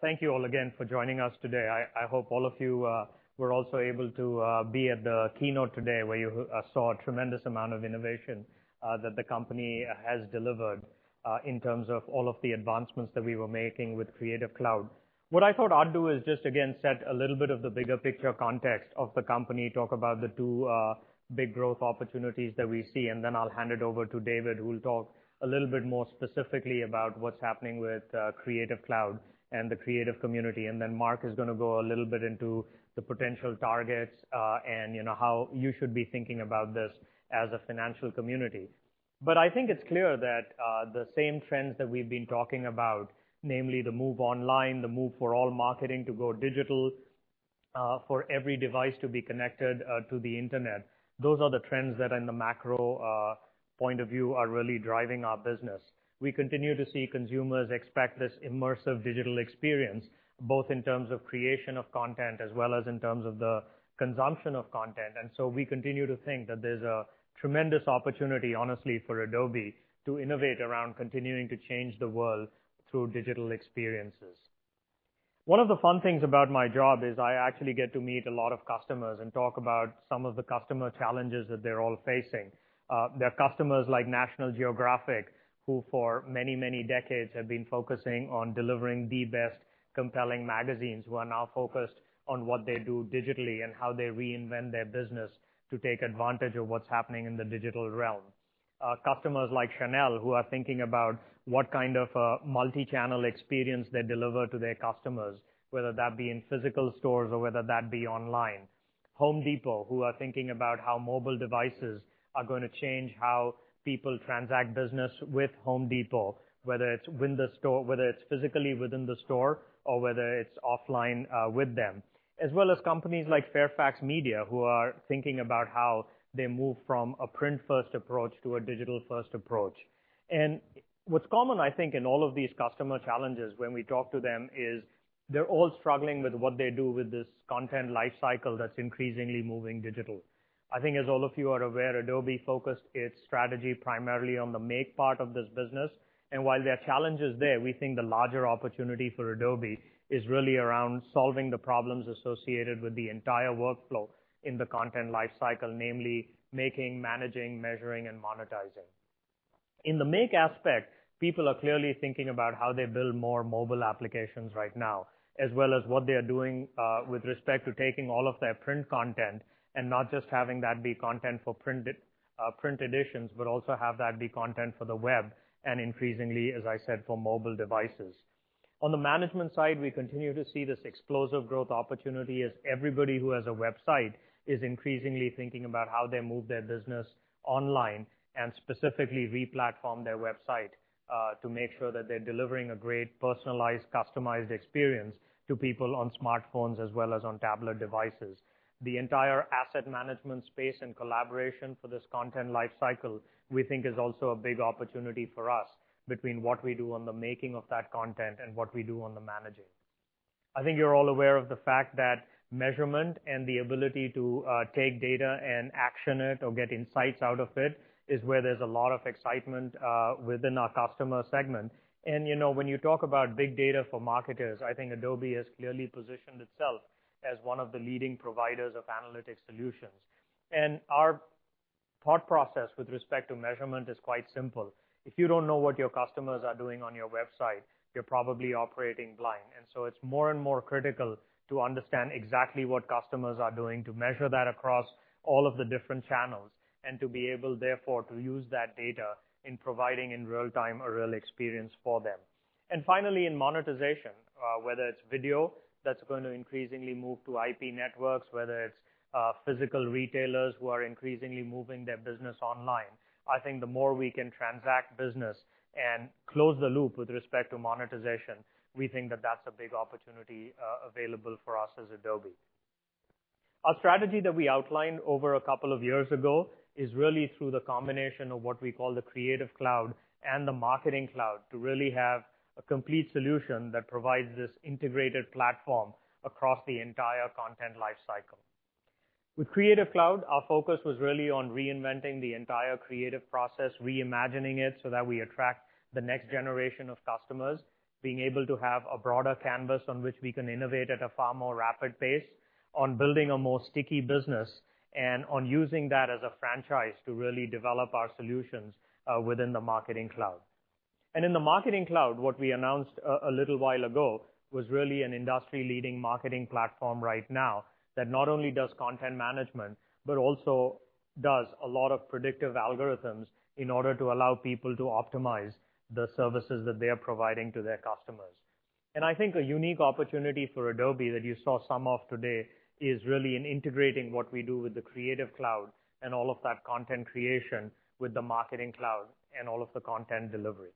Thank you all again for joining us today. I hope all of you were also able to be at the keynote today, where you saw a tremendous amount of innovation that the company has delivered in terms of all of the advancements that we were making with Creative Cloud. What I thought I'd do is just again, set a little bit of the bigger picture context of the company, talk about the two big growth opportunities that we see, and then I'll hand it over to David, who will talk a little bit more specifically about what's happening with Creative Cloud and the creative community. Mark is going to go a little bit into the potential targets, and how you should be thinking about this as a financial community. I think it's clear that the same trends that we've been talking about, namely the move online, the move for all marketing to go digital, for every device to be connected to the internet, those are the trends that in the macro point of view are really driving our business. We continue to see consumers expect this immersive digital experience, both in terms of creation of content as well as in terms of the consumption of content. We continue to think that there's a tremendous opportunity, honestly, for Adobe to innovate around continuing to change the world through digital experiences. One of the fun things about my job is I actually get to meet a lot of customers and talk about some of the customer challenges that they're all facing. They're customers like National Geographic, who for many, many decades have been focusing on delivering the best compelling magazines, who are now focused on what they do digitally and how they reinvent their business to take advantage of what's happening in the digital realm. Customers like Chanel, who are thinking about what kind of multichannel experience they deliver to their customers, whether that be in physical stores or whether that be online. Home Depot, who are thinking about how mobile devices are going to change how people transact business with Home Depot, whether it's physically within the store or whether it's offline with them. As well as companies like Fairfax Media, who are thinking about how they move from a print-first approach to a digital-first approach. What's common, I think, in all of these customer challenges when we talk to them is they're all struggling with what they do with this content life cycle that's increasingly moving digital. I think as all of you are aware, Adobe focused its strategy primarily on the make part of this business. While there are challenges there, we think the larger opportunity for Adobe is really around solving the problems associated with the entire workflow in the content life cycle, namely making, managing, measuring and monetizing. In the make aspect, people are clearly thinking about how they build more mobile applications right now, as well as what they are doing with respect to taking all of their print content and not just having that be content for print editions, but also have that be content for the web, and increasingly, as I said, for mobile devices. On the management side, we continue to see this explosive growth opportunity as everybody who has a website is increasingly thinking about how they move their business online and specifically re-platform their website, to make sure that they're delivering a great personalized, customized experience to people on smartphones as well as on tablet devices. The entire asset management space and collaboration for this content life cycle, we think is also a big opportunity for us between what we do on the making of that content and what we do on the managing. I think you're all aware of the fact that measurement and the ability to take data and action it or get insights out of it is where there's a lot of excitement within our customer segment. When you talk about big data for marketers, I think Adobe has clearly positioned itself as one of the leading providers of analytic solutions. Our thought process with respect to measurement is quite simple. If you don't know what your customers are doing on your website, you're probably operating blind. It's more and more critical to understand exactly what customers are doing, to measure that across all of the different channels, and to be able, therefore, to use that data in providing in real-time a real experience for them. Finally, in monetization, whether it's video that's going to increasingly move to IP networks, whether it's physical retailers who are increasingly moving their business online. I think the more we can transact business and close the loop with respect to monetization, we think that that's a big opportunity available for us as Adobe. Our strategy that we outlined over a couple of years ago is really through the combination of what we call the Creative Cloud and the Marketing Cloud to really have a complete solution that provides this integrated platform across the entire content life cycle. With Creative Cloud, our focus was really on reinventing the entire creative process, reimagining it so that we attract the next generation of customers, being able to have a broader canvas on which we can innovate at a far more rapid pace on building a more sticky business, and on using that as a franchise to really develop our solutions within the Marketing Cloud. In the Marketing Cloud, what we announced a little while ago was really an industry-leading marketing platform right now that not only does content management, but also does a lot of predictive algorithms in order to allow people to optimize the services that they are providing to their customers. I think a unique opportunity for Adobe that you saw some of today is really in integrating what we do with the Creative Cloud and all of that content creation with the Marketing Cloud and all of the content delivery.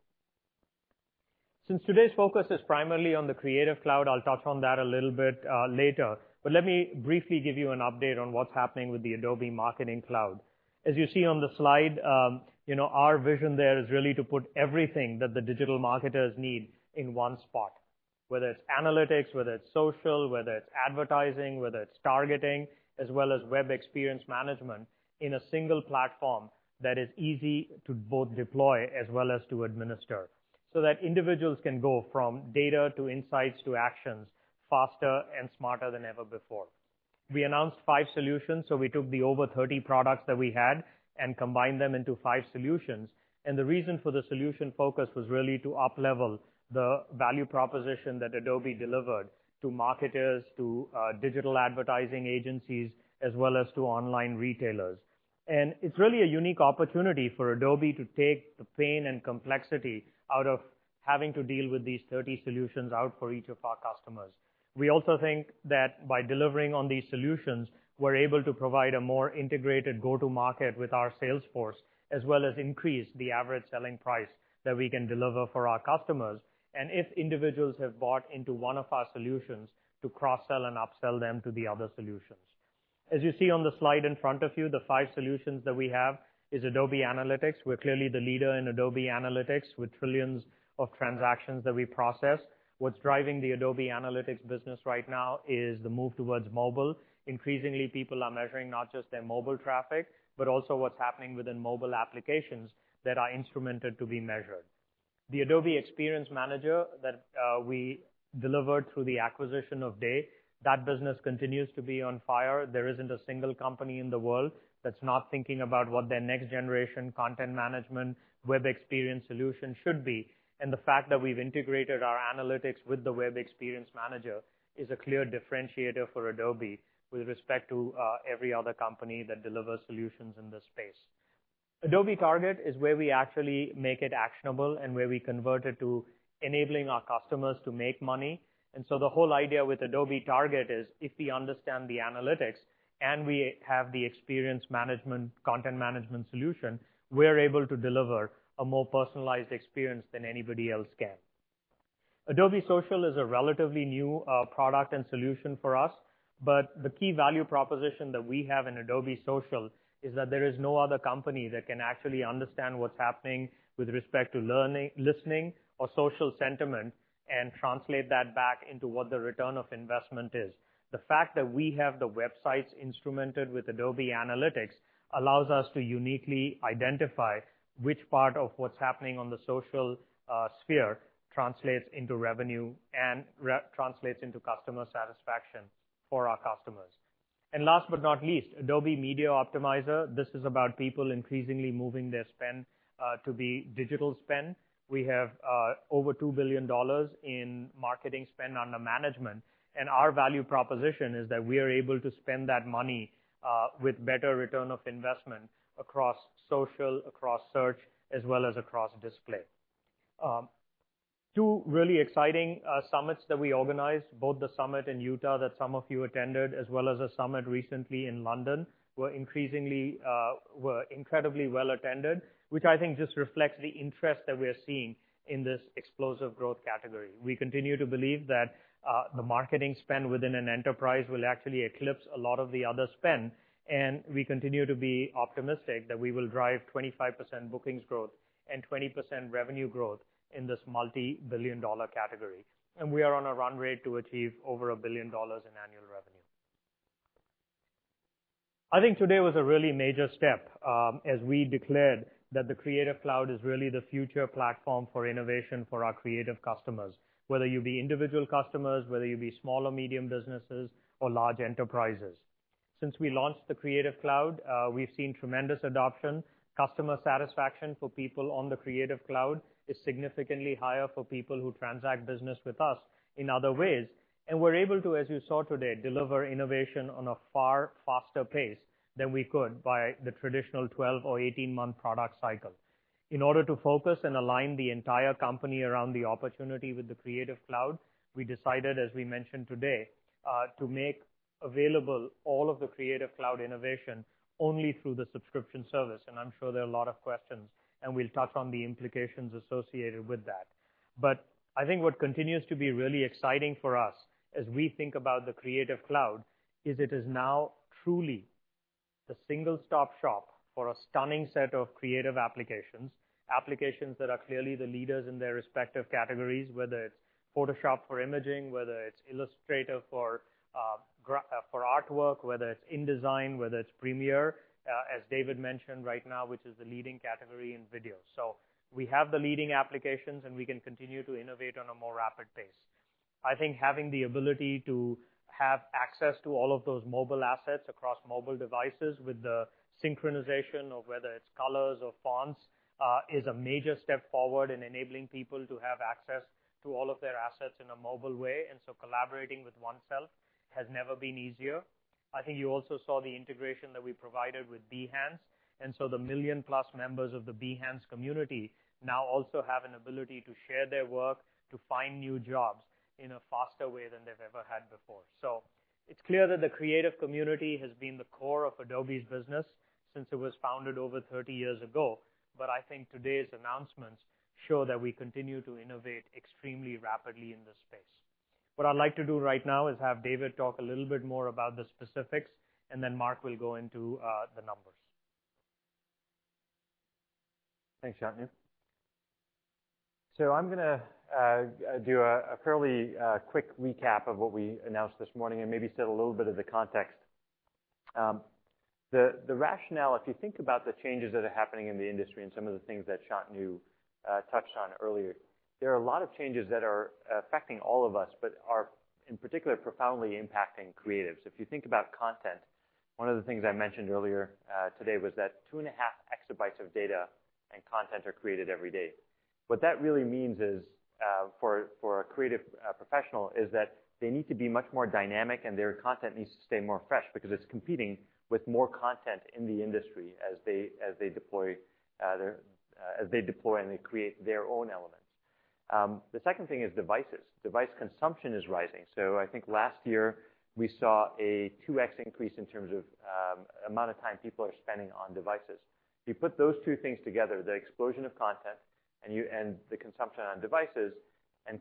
Since today's focus is primarily on the Creative Cloud, I'll touch on that a little bit later, but let me briefly give you an update on what's happening with the Adobe Marketing Cloud. As you see on the slide, our vision there is really to put everything that the digital marketers need in one spot, whether it's analytics, whether it's social, whether it's advertising, whether it's targeting, as well as web experience management in a single platform that is easy to both deploy as well as to administer, so that individuals can go from data to insights to actions faster and smarter than ever before. We announced 5 solutions, so we took the over 30 products that we had and combined them into 5 solutions. The reason for the solution focus was really to up-level the value proposition that Adobe delivered to marketers, to digital advertising agencies, as well as to online retailers. It's really a unique opportunity for Adobe to take the pain and complexity out of having to deal with these 30 solutions out for each of our customers. We also think that by delivering on these solutions, we're able to provide a more integrated go-to market with our sales force, as well as increase the average selling price that we can deliver for our customers. If individuals have bought into one of our solutions, to cross-sell and upsell them to the other solutions. As you see on the slide in front of you, the 5 solutions that we have is Adobe Analytics. We're clearly the leader in Adobe Analytics with trillions of transactions that we process. What's driving the Adobe Analytics business right now is the move towards mobile. Increasingly, people are measuring not just their mobile traffic, but also what's happening within mobile applications that are instrumented to be measured. The Adobe Experience Manager that we delivered through the acquisition of Day, that business continues to be on fire. There isn't a single company in the world that's not thinking about what their next-generation content management web experience solution should be. The fact that we've integrated our analytics with the Web Experience Manager is a clear differentiator for Adobe with respect to every other company that delivers solutions in this space. Adobe Target is where we actually make it actionable and where we convert it to enabling our customers to make money. The whole idea with Adobe Target is if we understand the analytics and we have the experience management, content management solution, we're able to deliver a more personalized experience than anybody else can. Adobe Social is a relatively new product and solution for us, but the key value proposition that we have in Adobe Social is that there is no other company that can actually understand what's happening with respect to listening or social sentiment and translate that back into what the return of investment is. The fact that we have the websites instrumented with Adobe Analytics allows us to uniquely identify which part of what's happening on the social sphere translates into revenue and translates into customer satisfaction for our customers. Last but not least, Adobe Media Optimizer. This is about people increasingly moving their spend to be digital spend. We have over $2 billion in marketing spend under management, and our value proposition is that we are able to spend that money with better return of investment across social, across search, as well as across display. Two really exciting summits that we organized, both the summit in Utah that some of you attended, as well as a summit recently in London, were incredibly well-attended, which I think just reflects the interest that we're seeing in this explosive growth category. We continue to believe that the marketing spend within an enterprise will actually eclipse a lot of the other spend, and we continue to be optimistic that we will drive 25% bookings growth and 20% revenue growth in this multi-billion-dollar category. We are on a run rate to achieve over $1 billion in annual revenue. I think today was a really major step as we declared that the Creative Cloud is really the future platform for innovation for our creative customers, whether you be individual customers, whether you be small or medium businesses or large enterprises. Since we launched the Creative Cloud, we've seen tremendous adoption. Customer satisfaction for people on the Creative Cloud is significantly higher for people who transact business with us in other ways. We're able to, as you saw today, deliver innovation on a far faster pace than we could by the traditional 12 or 18-month product cycle. In order to focus and align the entire company around the opportunity with the Creative Cloud, we decided, as we mentioned today, to make available all of the Creative Cloud innovation only through the subscription service. I'm sure there are a lot of questions, and we'll touch on the implications associated with that. I think what continues to be really exciting for us as we think about the Creative Cloud is it is now truly the single-stop shop for a stunning set of creative applications that are clearly the leaders in their respective categories, whether it's Photoshop for imaging, whether it's Illustrator for artwork, whether it's InDesign, whether it's Premiere, as David mentioned right now, which is the leading category in video. We have the leading applications, and we can continue to innovate on a more rapid pace. I think having the ability to have access to all of those mobile assets across mobile devices with the synchronization of whether it's colors or fonts, is a major step forward in enabling people to have access to all of their assets in a mobile way. Collaborating with oneself has never been easier. I think you also saw the integration that we provided with Behance, the million-plus members of the Behance community now also have an ability to share their work, to find new jobs in a faster way than they've ever had before. It's clear that the creative community has been the core of Adobe's business since it was founded over 30 years ago. I think today's announcements show that we continue to innovate extremely rapidly in this space. What I'd like to do right now is have David talk a little bit more about the specifics, and then Mark will go into the numbers. Thanks, Shantanu. I'm going to do a fairly quick recap of what we announced this morning and maybe set a little bit of the context. The rationale, if you think about the changes that are happening in the industry and some of the things that Shantanu touched on earlier, there are a lot of changes that are affecting all of us, but are, in particular, profoundly impacting creatives. If you think about content, one of the things I mentioned earlier today was that two and a half exabytes of data and content are created every day. What that really means for a creative professional is that they need to be much more dynamic, and their content needs to stay more fresh because it's competing with more content in the industry as they deploy and they create their own elements. The second thing is devices. Device consumption is rising. I think last year we saw a 2X increase in terms of amount of time people are spending on devices. You put those two things together, the explosion of content and the consumption on devices,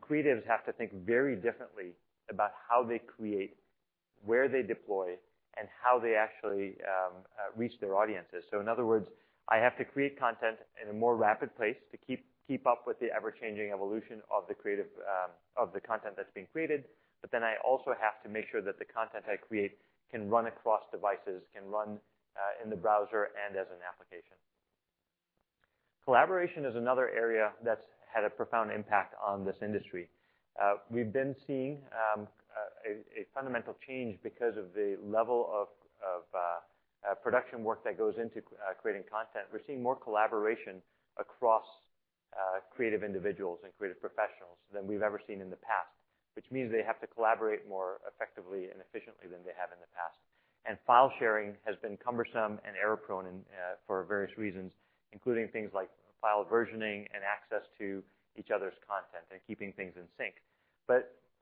creatives have to think very differently about how they create, where they deploy, and how they actually reach their audiences. In other words, I have to create content in a more rapid place to keep up with the ever-changing evolution of the content that's being created. I also have to make sure that the content I create can run across devices, can run in the browser and as an application. Collaboration is another area that's had a profound impact on this industry. We've been seeing a fundamental change because of the level of production work that goes into creating content. We're seeing more collaboration across creative individuals and creative professionals than we've ever seen in the past, which means they have to collaborate more effectively and efficiently than they have in the past. File sharing has been cumbersome and error-prone for various reasons, including things like file versioning and access to each other's content and keeping things in sync.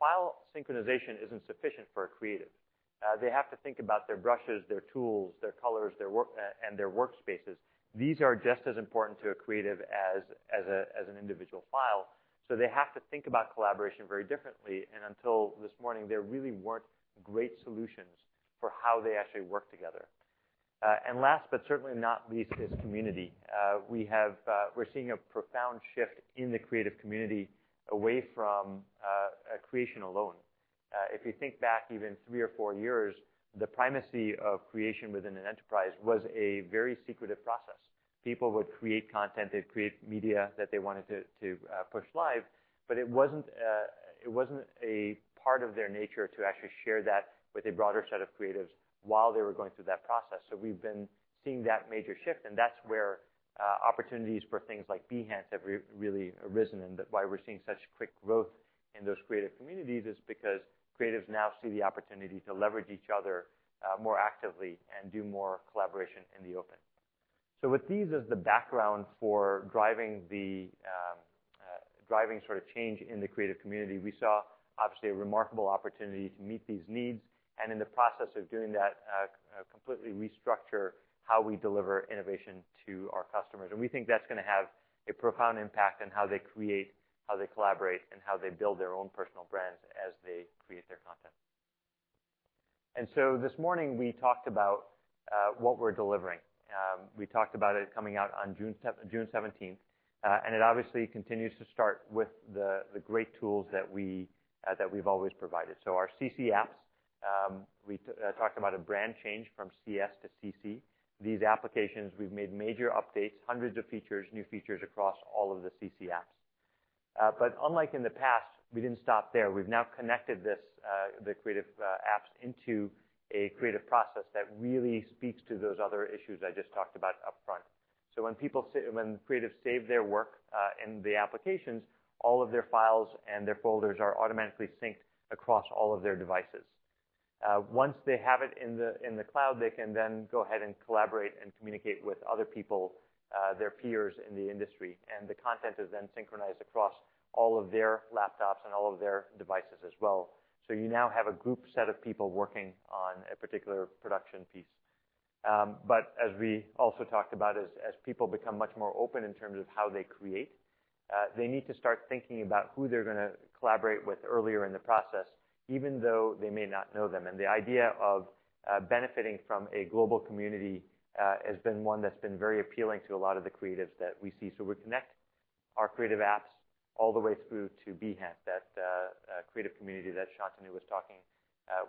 File synchronization isn't sufficient for a creative. They have to think about their brushes, their tools, their colors, their work, and their workspaces. These are just as important to a creative as an individual file. They have to think about collaboration very differently. Until this morning, there really weren't great solutions for how they actually work together. Last, but certainly not least, is community. We're seeing a profound shift in the creative community away from creation alone. If you think back even three or four years, the primacy of creation within an enterprise was a very secretive process. People would create content, they'd create media that they wanted to push live, but it wasn't a part of their nature to actually share that with a broader set of creatives while they were going through that process. We've been seeing that major shift, and that's where opportunities for things like Behance have really arisen and why we're seeing such quick growth in those creative communities is because creatives now see the opportunity to leverage each other more actively and do more collaboration in the open. With these as the background for driving sort of change in the creative community, we saw obviously a remarkable opportunity to meet these needs, and in the process of doing that completely restructure how we deliver innovation to our customers. We think that's going to have a profound impact on how they create, how they collaborate, and how they build their own personal brands as they create their content. This morning we talked about what we're delivering. We talked about it coming out on June 17th. It obviously continues to start with the great tools that we've always provided. Our CC apps, we talked about a brand change from CS to CC. These applications, we've made major updates, hundreds of features, new features across all of the CC apps. Unlike in the past, we didn't stop there. We've now connected the creative apps into a creative process that really speaks to those other issues I just talked about upfront. When creatives save their work in the applications, all of their files and their folders are automatically synced across all of their devices. Once they have it in the cloud, they can then go ahead and collaborate and communicate with other people, their peers in the industry, the content is then synchronized across all of their laptops and all of their devices as well. You now have a group set of people working on a particular production piece. As we also talked about, as people become much more open in terms of how they create, they need to start thinking about who they're going to collaborate with earlier in the process, even though they may not know them. The idea of benefiting from a global community has been one that's been very appealing to a lot of the creatives that we see. We connect our creative apps all the way through to Behance, that creative community that Shantanu was talking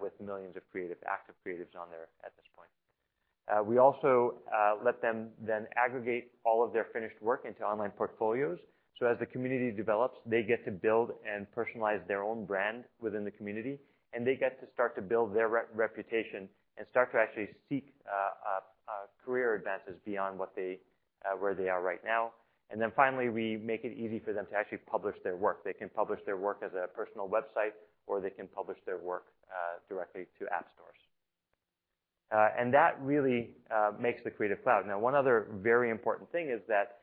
with millions of active creatives on there at this point. We also let them then aggregate all of their finished work into online portfolios. As the community develops, they get to build and personalize their own brand within the community, they get to start to build their reputation and start to actually seek career advances beyond where they are right now. Finally, we make it easy for them to actually publish their work. They can publish their work as a personal website, or they can publish their work directly to app stores. That really makes the Creative Cloud. One other very important thing is that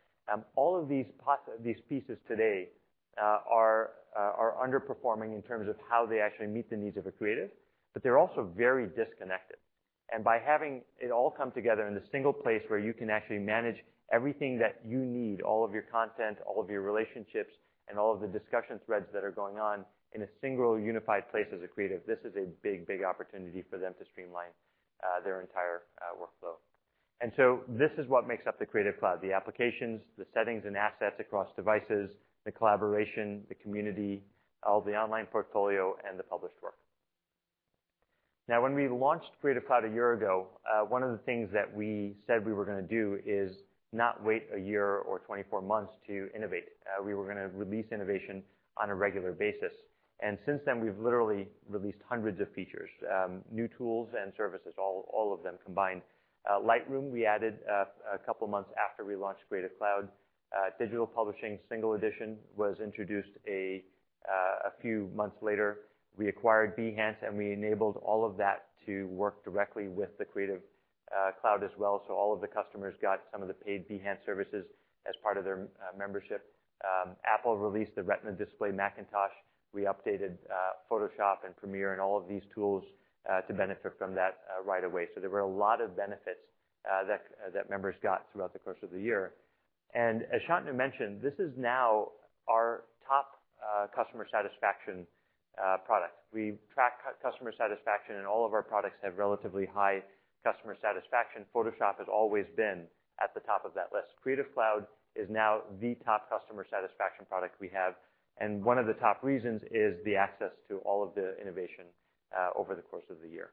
all of these pieces today are underperforming in terms of how they actually meet the needs of a creative, they're also very disconnected. By having it all come together in a single place where you can actually manage everything that you need, all of your content, all of your relationships, and all of the discussion threads that are going on in a single unified place as a creative, this is a big opportunity for them to streamline their entire. This is what makes up the Creative Cloud: the applications, the settings and assets across devices, the collaboration, the community, all the online portfolio, and the published work. When we launched Creative Cloud a year ago, one of the things that we said we were going to do is not wait a year or 24 months to innovate. We were going to release innovation on a regular basis. Since then, we've literally released hundreds of features, new tools and services, all of them combined. Lightroom, we added a couple of months after we launched Creative Cloud. Digital Publishing, single edition was introduced a few months later. We acquired Behance, and we enabled all of that to work directly with the Creative Cloud as well, so all of the customers got some of the paid Behance services as part of their membership. Apple released the Retina display Macintosh. We updated Photoshop and Premiere and all of these tools to benefit from that right away. There were a lot of benefits that members got throughout the course of the year. As Shantanu mentioned, this is now our top customer satisfaction product. We track customer satisfaction, and all of our products have relatively high customer satisfaction. Photoshop has always been at the top of that list. Creative Cloud is now the top customer satisfaction product we have, and one of the top reasons is the access to all of the innovation over the course of the year.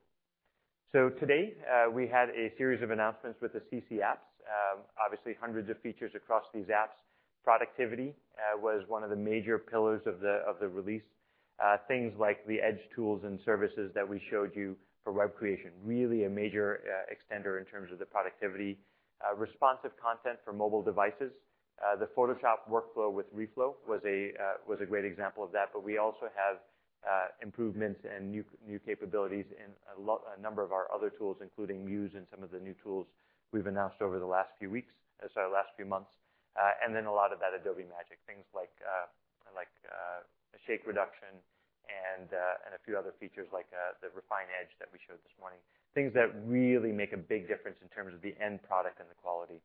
Today, we had a series of announcements with the CC apps. Obviously, hundreds of features across these apps. Productivity was one of the major pillars of the release. Things like the Edge tools and services that we showed you for web creation, really a major extender in terms of the productivity. Responsive content for mobile devices. The Photoshop workflow with Reflow was a great example of that, we also have improvements and new capabilities in a number of our other tools, including Muse and some of the new tools we've announced over the last few months. A lot of that Adobe magic, things like shake reduction and a few other features like the refine edge that we showed this morning. Things that really make a big difference in terms of the end product and the quality.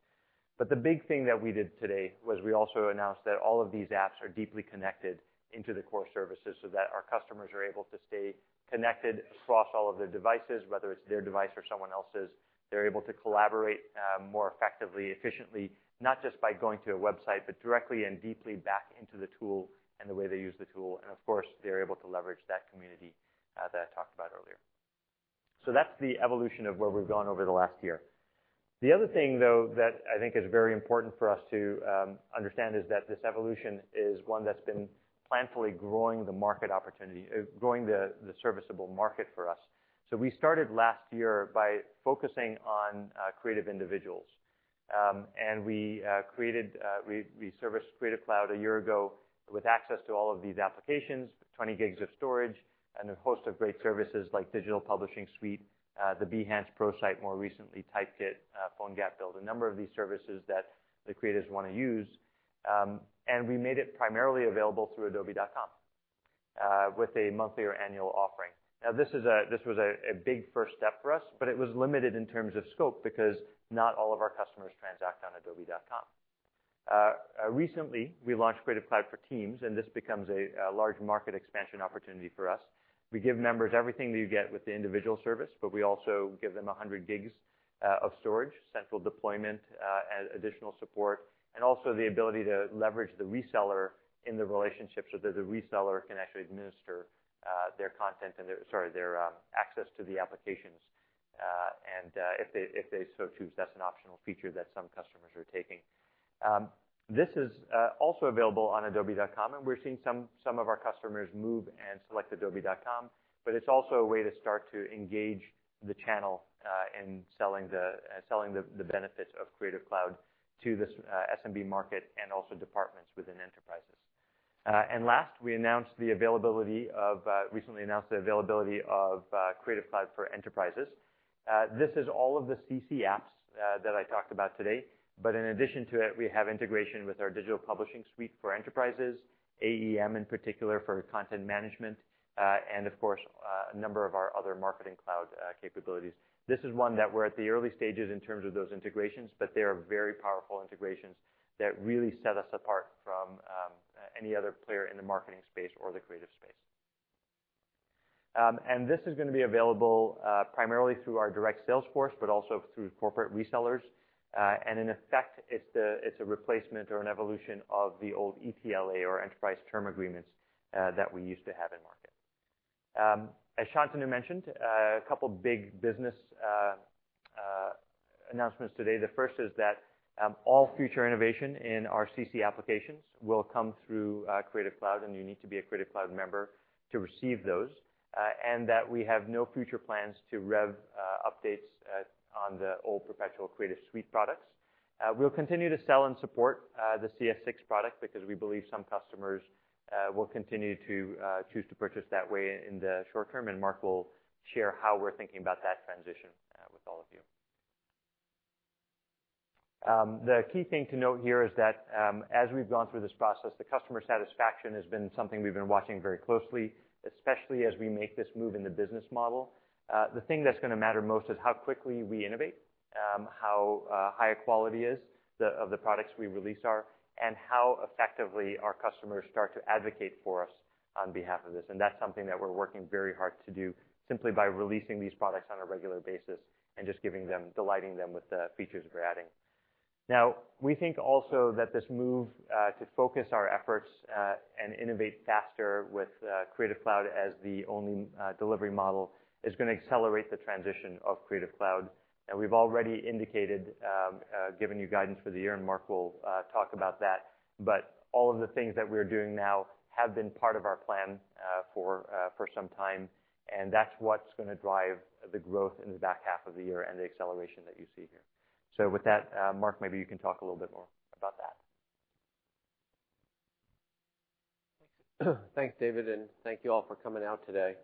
The big thing that we did today was we also announced that all of these apps are deeply connected into the core services, so that our customers are able to stay connected across all of their devices, whether it's their device or someone else's. They're able to collaborate more effectively, efficiently, not just by going to a website, but directly and deeply back into the tool and the way they use the tool. Of course, they're able to leverage that community that I talked about earlier. That's the evolution of where we've gone over the last year. The other thing, though, that I think is very important for us to understand is that this evolution is one that's been planfully growing the serviceable market for us. We started last year by focusing on creative individuals. We serviced Creative Cloud a year ago with access to all of these applications, 20 GB of storage, and a host of great services like Digital Publishing Suite, the Behance ProSite, more recently, Typekit, PhoneGap Build, a number of these services that the creatives want to use. We made it primarily available through adobe.com with a monthly or annual offering. This was a big first step for us, it was limited in terms of scope because not all of our customers transact on adobe.com. Recently, we launched Creative Cloud for Teams, this becomes a large market expansion opportunity for us. We give members everything that you get with the individual service. We also give them 100 gigs of storage, central deployment, additional support, and also the ability to leverage the reseller in the relationship so that the reseller can actually administer their access to the applications if they so choose. That is an optional feature that some customers are taking. This is also available on adobe.com, and we are seeing some of our customers move and select adobe.com. It is also a way to start to engage the channel in selling the benefits of Creative Cloud to the SMB market and also departments within enterprises. Last, we recently announced the availability of Creative Cloud for Enterprises. This is all of the CC apps that I talked about today. In addition to it, we have integration with our Digital Publishing Suite for Enterprises, AEM, in particular, for content management, and of course, a number of our other Marketing Cloud capabilities. This is one that we are at the early stages in terms of those integrations. They are very powerful integrations that really set us apart from any other player in the marketing space or the creative space. This is going to be available primarily through our direct sales force, but also through corporate resellers. In effect, it is a replacement or an evolution of the old ETLA, or enterprise term agreements, that we used to have in market. As Shantanu mentioned, a couple big business announcements today. The first is that all future innovation in our CC applications will come through Creative Cloud. You need to be a Creative Cloud member to receive those. We have no future plans to rev updates on the old perpetual Creative Suite products. We will continue to sell and support the CS6 product because we believe some customers will continue to choose to purchase that way in the short term. Mark will share how we are thinking about that transition with all of you. The key thing to note here is that as we have gone through this process, the customer satisfaction has been something we have been watching very closely, especially as we make this move in the business model. The thing that is going to matter most is how quickly we innovate, how high quality of the products we release are, and how effectively our customers start to advocate for us on behalf of this. That is something that we are working very hard to do simply by releasing these products on a regular basis and just delighting them with the features we are adding. Now, we think also that this move to focus our efforts and innovate faster with Creative Cloud as the only delivery model is going to accelerate the transition of Creative Cloud. We have already indicated, given you guidance for the year. Mark will talk about that. All of the things that we are doing now have been part of our plan for some time, and that is what is going to drive the growth in the back half of the year and the acceleration that you see here. With that, Mark, maybe you can talk a little bit more about that. Thanks, David, and thank you all for coming out today.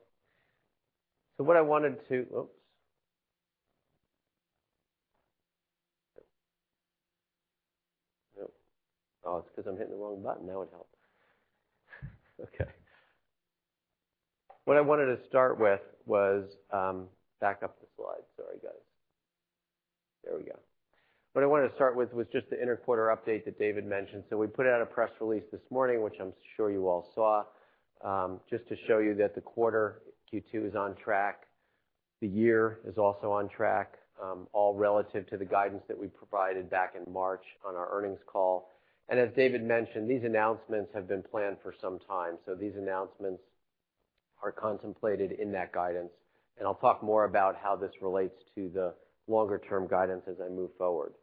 What I wanted to start with was just the inter-quarter update that David mentioned. We put out a press release this morning, which I'm sure you all saw, just to show you that the quarter, Q2, is on track. The year is also on track, all relative to the guidance that we provided back in March on our earnings call. As David mentioned, these announcements have been planned for some time. These announcements are contemplated in that guidance, and I'll talk more about how this relates to the longer-term guidance as I move forward.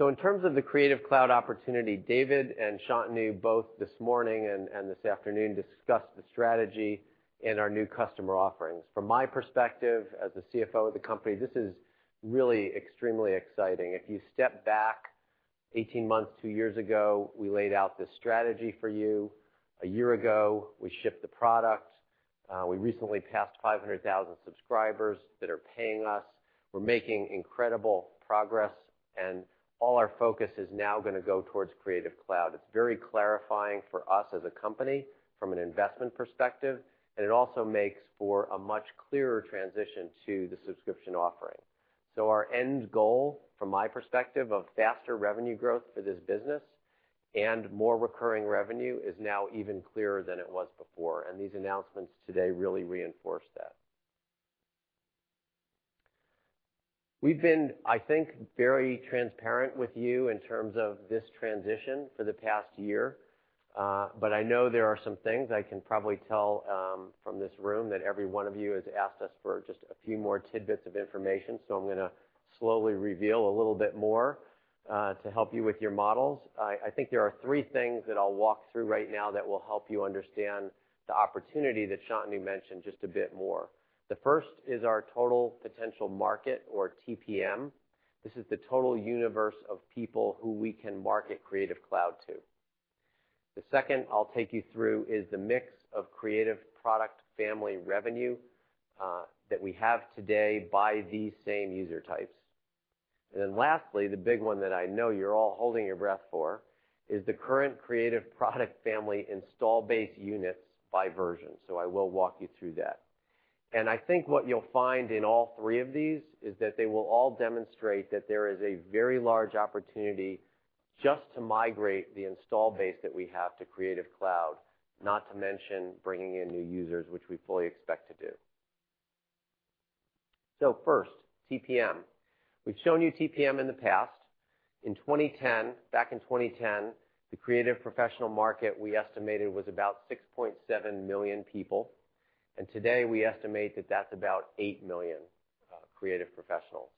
In terms of the Creative Cloud opportunity, David and Shantanu, both this morning and this afternoon, discussed the strategy and our new customer offerings. From my perspective, as the CFO of the company, this is really extremely exciting. If you step back 18 months, two years ago, we laid out this strategy for you. A year ago, we shipped the product. We recently passed 500,000 subscribers that are paying us. We're making incredible progress and all our focus is now going to go towards Creative Cloud. It's very clarifying for us as a company from an investment perspective, and it also makes for a much clearer transition to the subscription offering. Our end goal, from my perspective, of faster revenue growth for this business and more recurring revenue is now even clearer than it was before, and these announcements today really reinforce that. We've been, I think, very transparent with you in terms of this transition for the past year. I know there are some things I can probably tell from this room that every one of you has asked us for just a few more tidbits of information, I'm going to slowly reveal a little bit more to help you with your models. I think there are three things that I'll walk through right now that will help you understand the opportunity that Shantanu mentioned just a bit more. The first is our total potential market or TPM. This is the total universe of people who we can market Creative Cloud to. The second I'll take you through is the mix of creative product family revenue that we have today by these same user types. Lastly, the big one that I know you're all holding your breath for is the current creative product family install base units by version. I will walk you through that. I think what you'll find in all three of these is that they will all demonstrate that there is a very large opportunity just to migrate the install base that we have to Creative Cloud, not to mention bringing in new users, which we fully expect to do. First, TPM. We've shown you TPM in the past. In 2010, the creative professional market we estimated was about 6.7 million people, and today we estimate that that's about 8 million creative professionals.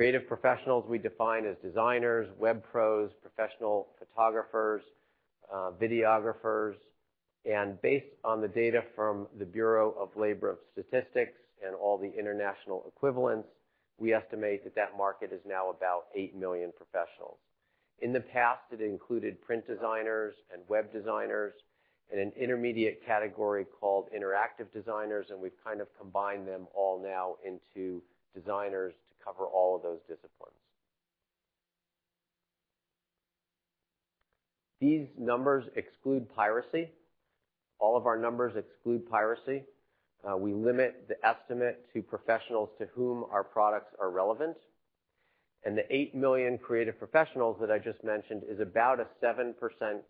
Creative professionals we define as designers, web pros, professional photographers, videographers. Based on the data from the Bureau of Labor Statistics and all the international equivalents, we estimate that that market is now about 8 million professionals. In the past, it included print designers and web designers and an intermediate category called interactive designers, we've kind of combined them all now into designers to cover all of those disciplines. These numbers exclude piracy. All of our numbers exclude piracy. We limit the estimate to professionals to whom our products are relevant. The 8 million creative professionals that I just mentioned is about a 7%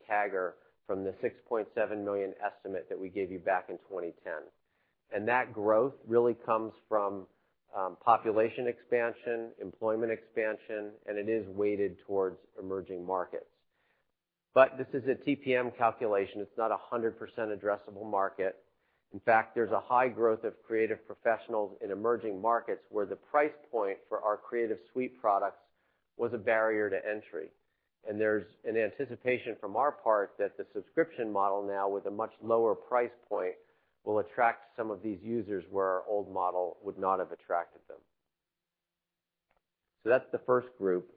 CAGR from the 6.7 million estimate that we gave you back in 2010. That growth really comes from population expansion, employment expansion, and it is weighted towards emerging markets. This is a TPM calculation. It's not 100% addressable market. In fact, there's a high growth of creative professionals in emerging markets where the price point for our Creative Suite products was a barrier to entry. There's an anticipation from our part that the subscription model now with a much lower price point will attract some of these users where our old model would not have attracted them. That's the first group.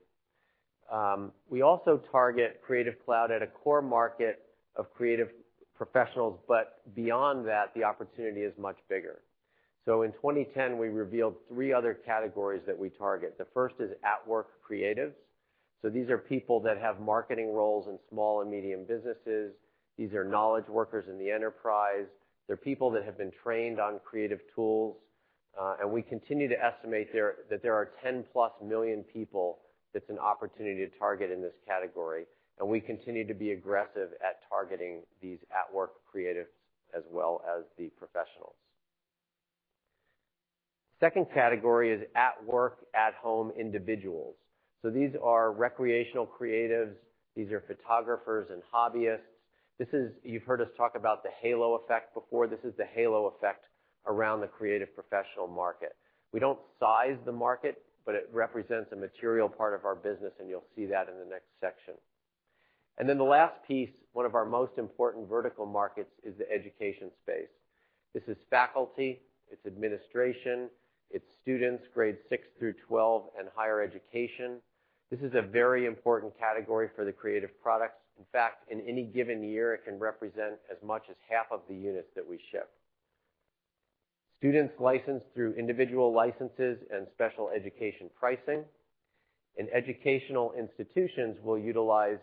We also target Creative Cloud at a core market of creative professionals, but beyond that, the opportunity is much bigger. In 2010, we revealed 3 other categories that we target. The first is at-work creatives. These are people that have marketing roles in small and medium businesses. These are knowledge workers in the enterprise. They're people that have been trained on creative tools. We continue to estimate that there are 10-plus million people that's an opportunity to target in this category. We continue to be aggressive at targeting these at-work creatives as well as the professionals. Second category is at-work, at-home individuals. These are recreational creatives. These are photographers and hobbyists. You've heard us talk about the halo effect before. This is the halo effect around the creative professional market. We don't size the market, but it represents a material part of our business, and you'll see that in the next section. The last piece, one of our most important vertical markets, is the education space. This is faculty, it's administration, it's students grades 6 through 12 and higher education. This is a very important category for the creative products. In fact, in any given year, it can represent as much as half of the units that we ship. Students licensed through individual licenses and special education pricing, educational institutions will utilize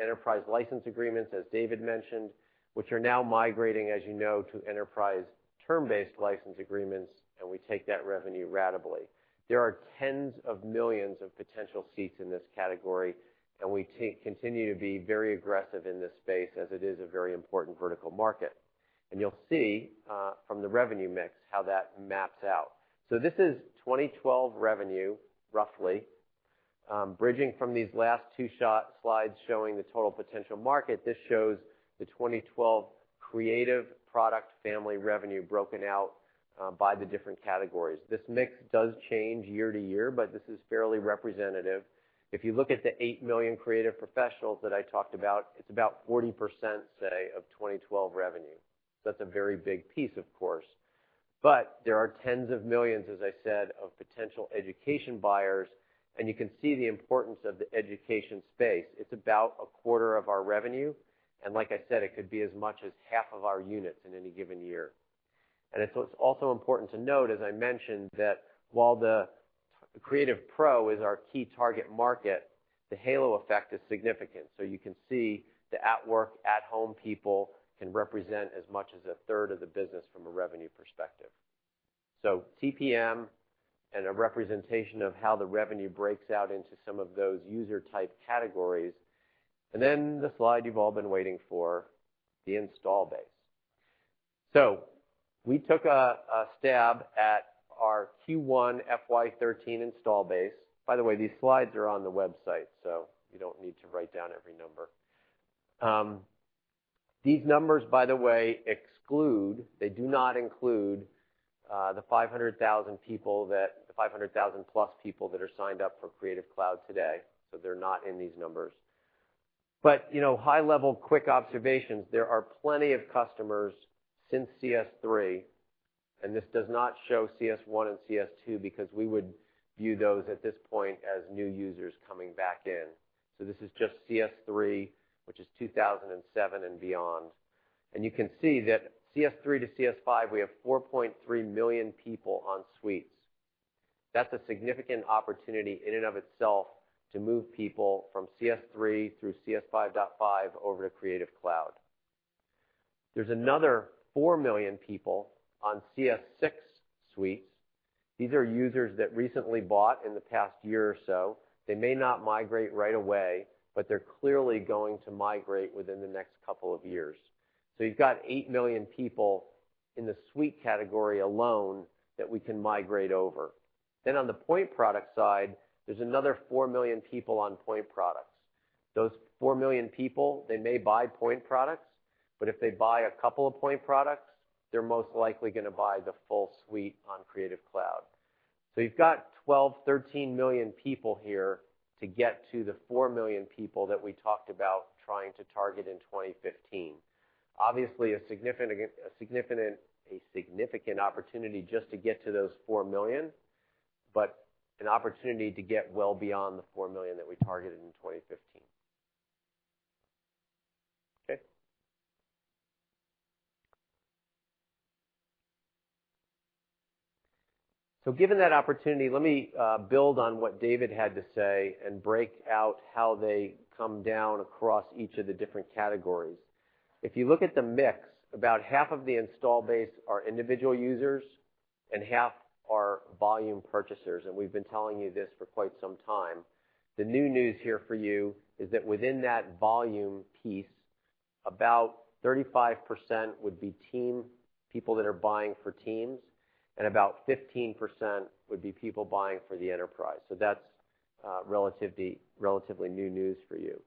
enterprise license agreements, as David mentioned, which are now migrating, as you know, to enterprise term-based license agreements, we take that revenue ratably. There are tens of millions of potential seats in this category, we continue to be very aggressive in this space as it is a very important vertical market. You'll see from the revenue mix how that maps out. This is 2012 revenue, roughly. Bridging from these last two slides showing the total potential market, this shows the 2012 creative product family revenue broken out by the different categories. This mix does change year to year, but this is fairly representative. If you look at the 8 million creative professionals that I talked about, it's about 40%, say, of 2012 revenue. That's a very big piece, of course. There are tens of millions, as I said, of potential education buyers, you can see the importance of the education space. It's about a quarter of our revenue, like I said, it could be as much as half of our units in any given year. It's also important to note, as I mentioned, that while the creative pro is our key target market, the halo effect is significant. You can see the at work, at-home people can represent as much as a third of the business from a revenue perspective. TPM and a representation of how the revenue breaks out into some of those user-type categories. Then the slide you've all been waiting for, the install base. We took a stab at our Q1 FY 2013 install base. By the way, these slides are on the website, you don't need to write down every number. These numbers, by the way, exclude, they do not include, the 500,000-plus people that are signed up for Creative Cloud today. They're not in these numbers. High level, quick observations, there are plenty of customers since CS3, this does not show CS1 and CS2 because we would view those at this point as new users coming back in. This is just CS3, which is 2007 and beyond. You can see that CS3 to CS5, we have 4.3 million people on suites. That's a significant opportunity in and of itself to move people from CS3 through CS 5.5 over to Creative Cloud. There's another 4 million people on CS6 suites. These are users that recently bought in the past year or so. They may not migrate right away, they're clearly going to migrate within the next couple of years. You've got 8 million people in the suite category alone that we can migrate over. On the point product side, there's another 4 million people on point products. Those 4 million people, they may buy point products, if they buy a couple of point products, they're most likely going to buy the full suite on Creative Cloud. You've got 12, 13 million people here to get to the 4 million people that we talked about trying to target in 2015. Obviously, a significant opportunity just to get to those 4 million, an opportunity to get well beyond the 4 million that we targeted in 2015. Okay. Given that opportunity, let me build on what David had to say and break out how they come down across each of the different categories. If you look at the mix, about half of the install base are individual users and half are volume purchasers. We've been telling you this for quite some time. The new news here for you is that within that volume piece, about 35% would be team, people that are buying for teams, and about 15% would be people buying for the enterprise. That's relatively new news for you.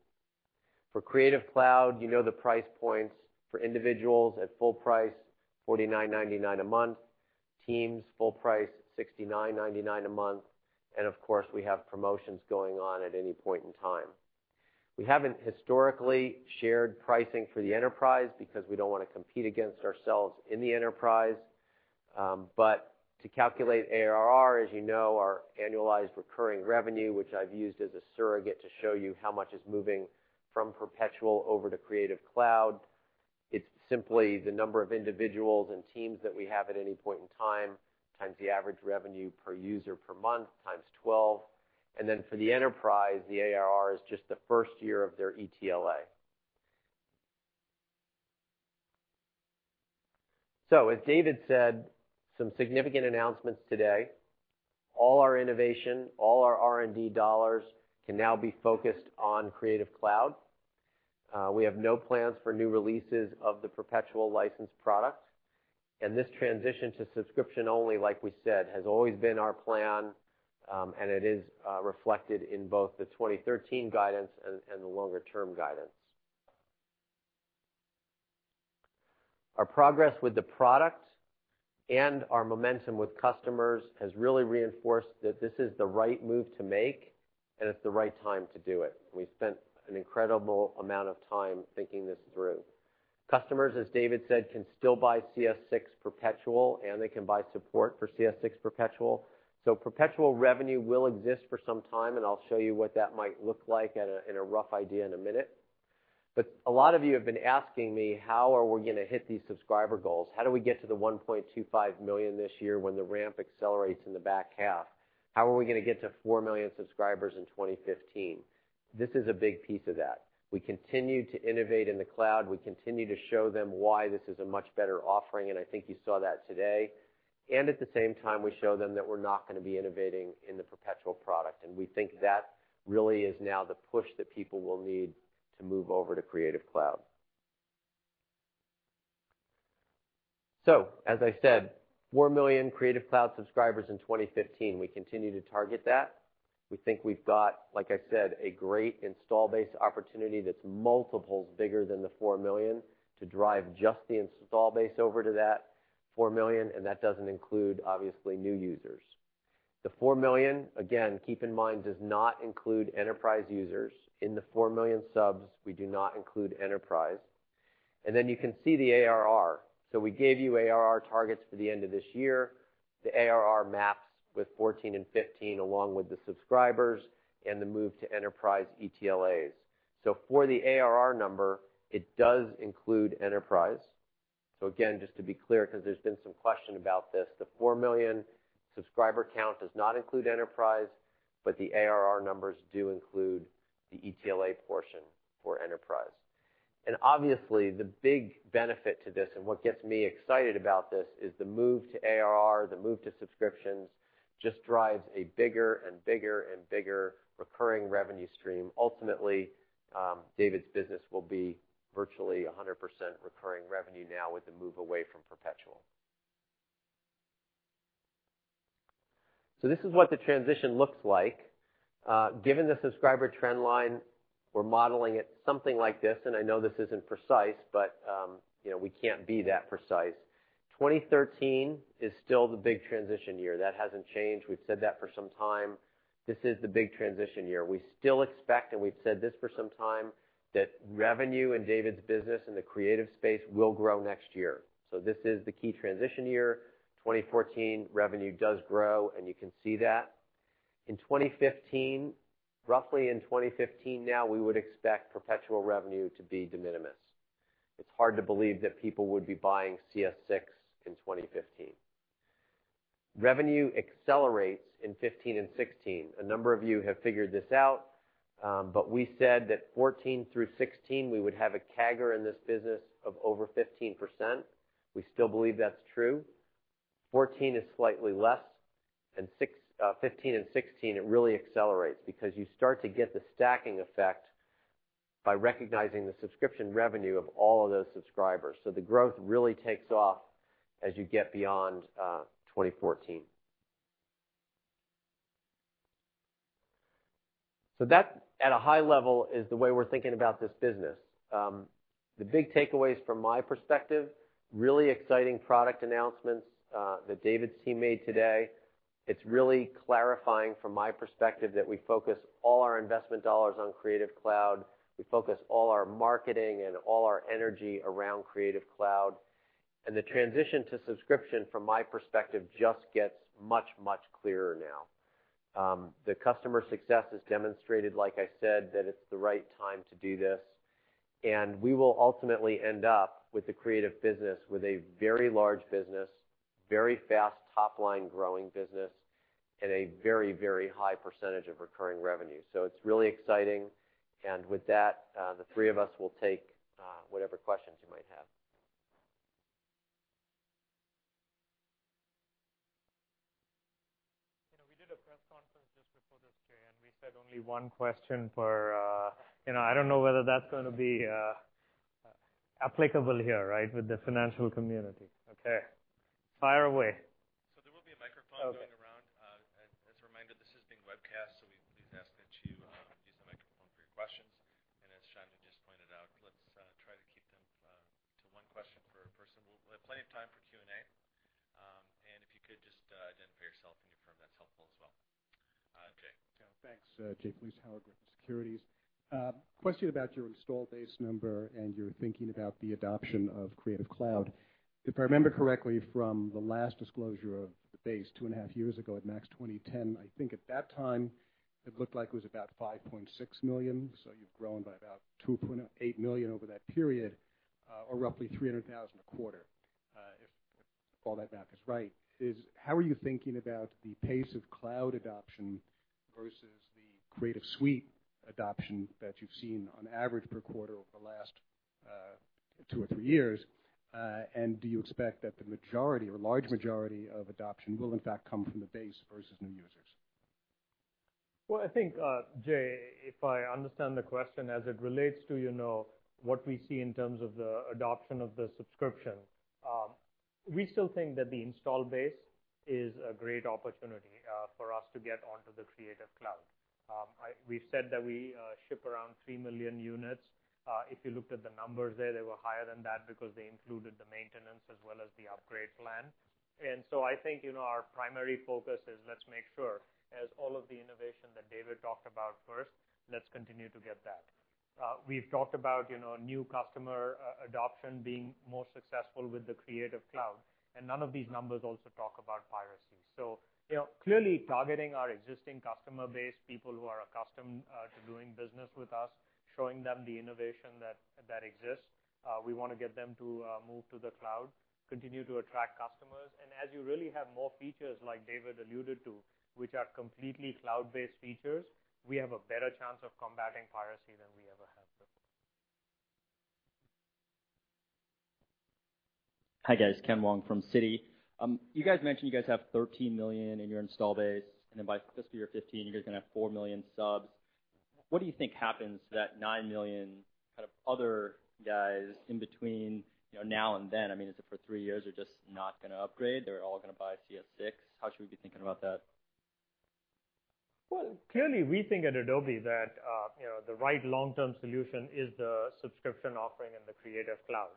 For Creative Cloud, you know the price points. For individuals at full price, $49.99 a month. Teams, full price, $69.99 a month. Of course, we have promotions going on at any point in time. We haven't historically shared pricing for the enterprise because we don't want to compete against ourselves in the enterprise. To calculate ARR, as you know, our annualized recurring revenue, which I've used as a surrogate to show you how much is moving from perpetual over to Creative Cloud, it's simply the number of individuals and teams that we have at any point in time, times the average revenue per user per month, times 12. Then for the enterprise, the ARR is just the first year of their ETLA. As David said, some significant announcements today. All our innovation, all our R&D dollars can now be focused on Creative Cloud. We have no plans for new releases of the perpetual license product. This transition to subscription only, like we said, has always been our plan, and it is reflected in both the 2013 guidance and the longer-term guidance. Our progress with the product and our momentum with customers has really reinforced that this is the right move to make, and it's the right time to do it. We've spent an incredible amount of time thinking this through. Customers, as David said, can still buy CS 6 perpetual, and they can buy support for CS 6 perpetual. Perpetual revenue will exist for some time, and I'll show you what that might look like in a rough idea in a minute. A lot of you have been asking me, how are we going to hit these subscriber goals? How do we get to the 1.25 million this year when the ramp accelerates in the back half? How are we going to get to 4 million subscribers in 2015? This is a big piece of that. We continue to innovate in the cloud. We continue to show them why this is a much better offering, and I think you saw that today. At the same time, we show them that we're not going to be innovating in the perpetual product. We think that really is now the push that people will need to move over to Creative Cloud. As I said, 4 million Creative Cloud subscribers in 2015. We continue to target that. We think we've got, like I said, a great install base opportunity that's multiples bigger than the 4 million to drive just the install base over to that 4 million, and that doesn't include, obviously, new users. The 4 million, again, keep in mind, does not include enterprise users. In the 4 million subs, we do not include enterprise. Then you can see the ARR. We gave you ARR targets for the end of this year. The ARR maps with 2014 and 2015, along with the subscribers and the move to enterprise ETLAs. For the ARR number, it does include enterprise. Again, just to be clear, because there's been some question about this, the 4 million subscriber count does not include enterprise, but the ARR numbers do include the ETLA portion for enterprise. Obviously, the big benefit to this, and what gets me excited about this, is the move to ARR. The move to subscriptions just drives a bigger and bigger recurring revenue stream. Ultimately, David's business will be virtually 100% recurring revenue now with the move away from perpetual. This is what the transition looks like. Given the subscriber trend line, we're modeling it something like this, and I know this isn't precise, but we can't be that precise. 2013 is still the big transition year. That hasn't changed. We've said that for some time. This is the big transition year. We still expect, and we've said this for some time, that revenue in David's business in the Creative space will grow next year. This is the key transition year. 2014 revenue does grow, and you can see that. In 2015, roughly in 2015 now, we would expect perpetual revenue to be de minimis. It's hard to believe that people would be buying CS 6 in 2015. Revenue accelerates in 2015 and 2016. A number of you have figured this out, but we said that 2014 through 2016, we would have a CAGR in this business of over 15%. We still believe that's true. 2014 is slightly less, in 2015 and 2016 it really accelerates because you start to get the stacking effect by recognizing the subscription revenue of all of those subscribers. The growth really takes off as you get beyond 2014. That, at a high level, is the way we're thinking about this business. The big takeaways from my perspective, really exciting product announcements that David's team made today. It's really clarifying from my perspective that we focus all our investment dollars on Creative Cloud. We focus all our marketing and all our energy around Creative Cloud. The transition to subscription, from my perspective, just gets much clearer now. The customer success has demonstrated, like I said, that it's the right time to do this, and we will ultimately end up with the Creative business with a very large business, very fast top-line growing business, and a very high percentage of recurring revenue. It's really exciting. With that, the three of us will take whatever questions you might have. We did a press conference just before this, Jay, we said only one question for I don't know whether that's going to be applicable here, with the financial community. Okay. Fire away. There will be a microphone going around. As a reminder, this is being webcast, we please ask that you use the microphone for your questions. As Shantanu just pointed out, let's try to keep them to one question per person. We'll have plenty of time for Q&A. If you could just identify yourself and your firm, that's helpful as well. Jay. Thanks. Jay Vleeschhouwer, Securities. Question about your install base number and your thinking about the adoption of Creative Cloud. If I remember correctly from the last disclosure of the base two and a half years ago at MAX 2010, I think at that time it looked like it was about $5.6 million. You've grown by about $2.8 million over that period, or roughly $300,000 a quarter. If all that math is right, how are you thinking about the pace of Cloud adoption versus the Creative Suite adoption that you've seen on average per quarter over the last Two or three years, do you expect that the majority or large majority of adoption will in fact come from the base versus new users? I think, Jay, if I understand the question as it relates to what we see in terms of the adoption of the subscription, we still think that the install base is a great opportunity for us to get onto the Creative Cloud. We've said that we ship around 3 million units. If you looked at the numbers there, they were higher than that because they included the maintenance as well as the upgrade plan. I think, our primary focus is let's make sure, as all of the innovation that David talked about first, let's continue to get that. We've talked about new customer adoption being more successful with the Creative Cloud, none of these numbers also talk about piracy. Clearly targeting our existing customer base, people who are accustomed to doing business with us, showing them the innovation that exists. We want to get them to move to the cloud, continue to attract customers, as you really have more features like David alluded to, which are completely cloud-based features, we have a better chance of combating piracy than we ever have before. Hi, guys. Ken Wong from Citi. You guys mentioned you guys have 13 million in your install base, by fiscal year 2015 you guys are going to have 4 million subs. What do you think happens to that 9 million kind of other guys in between now and then? Is it for three years they're just not going to upgrade? They're all going to buy CS6? How should we be thinking about that? Well, clearly we think at Adobe that the right long-term solution is the subscription offering and the Creative Cloud.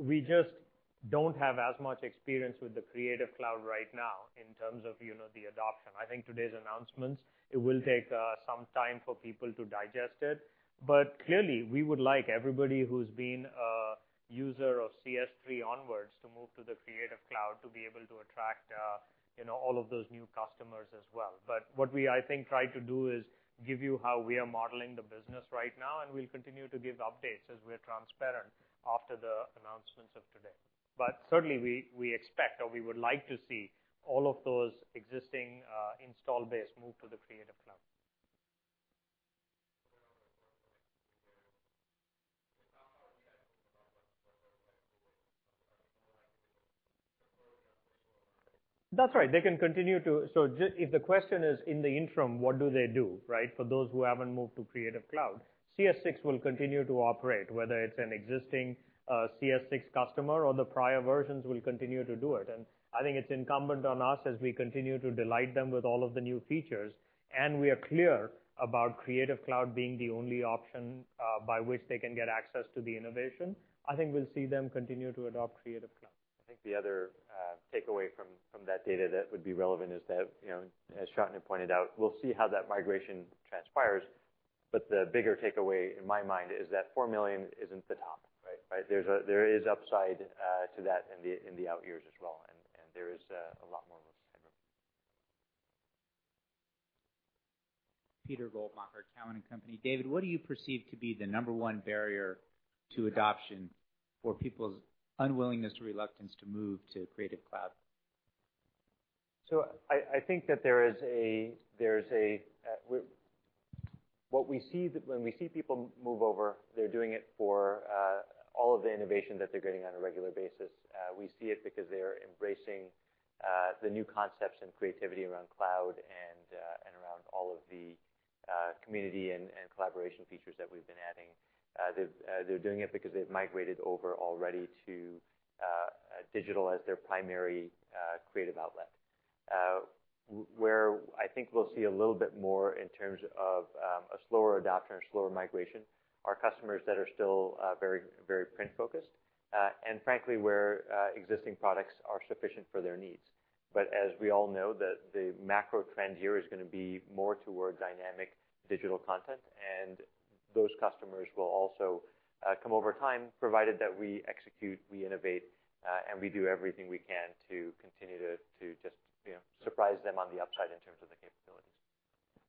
We just don't have as much experience with the Creative Cloud right now in terms of the adoption. I think today's announcements, it will take some time for people to digest it, clearly we would like everybody who's been a user of CS3 onwards to move to the Creative Cloud to be able to attract all of those new customers as well. What we, I think, try to do is give you how we are modeling the business right now, we'll continue to give updates as we're transparent after the announcements of today. Certainly we expect or we would like to see all of those existing install base move to the Creative Cloud. That's right. They can continue to. If the question is, in the interim, what do they do? For those who haven't moved to Creative Cloud, CS6 will continue to operate, whether it's an existing CS6 customer or the prior versions will continue to do it. I think it's incumbent on us as we continue to delight them with all of the new features, and we are clear about Creative Cloud being the only option by which they can get access to the innovation. I think we'll see them continue to adopt Creative Cloud. I think the other takeaway from that data that would be relevant is that, as Shantanu pointed out, we'll see how that migration transpires. The bigger takeaway in my mind is that 4 million isn't the top. There is upside to that in the out years as well, and there is a lot more of this kind of. Peter Goldmacher, Cowen and Company. David, what do you perceive to be the number one barrier to adoption for people's unwillingness or reluctance to move to Creative Cloud? I think that when we see people move over, they're doing it for all of the innovation that they're getting on a regular basis. We see it because they are embracing the new concepts and creativity around cloud and around all of the community and collaboration features that we've been adding. They're doing it because they've migrated over already to digital as their primary creative outlet. Where I think we'll see a little bit more in terms of a slower adoption or slower migration are customers that are still very print-focused, and frankly, where existing products are sufficient for their needs. As we all know, the macro trend here is going to be more toward dynamic digital content, and those customers will also come over time, provided that we execute, we innovate, and we do everything we can to continue to just surprise them on the upside in terms of the capabilities.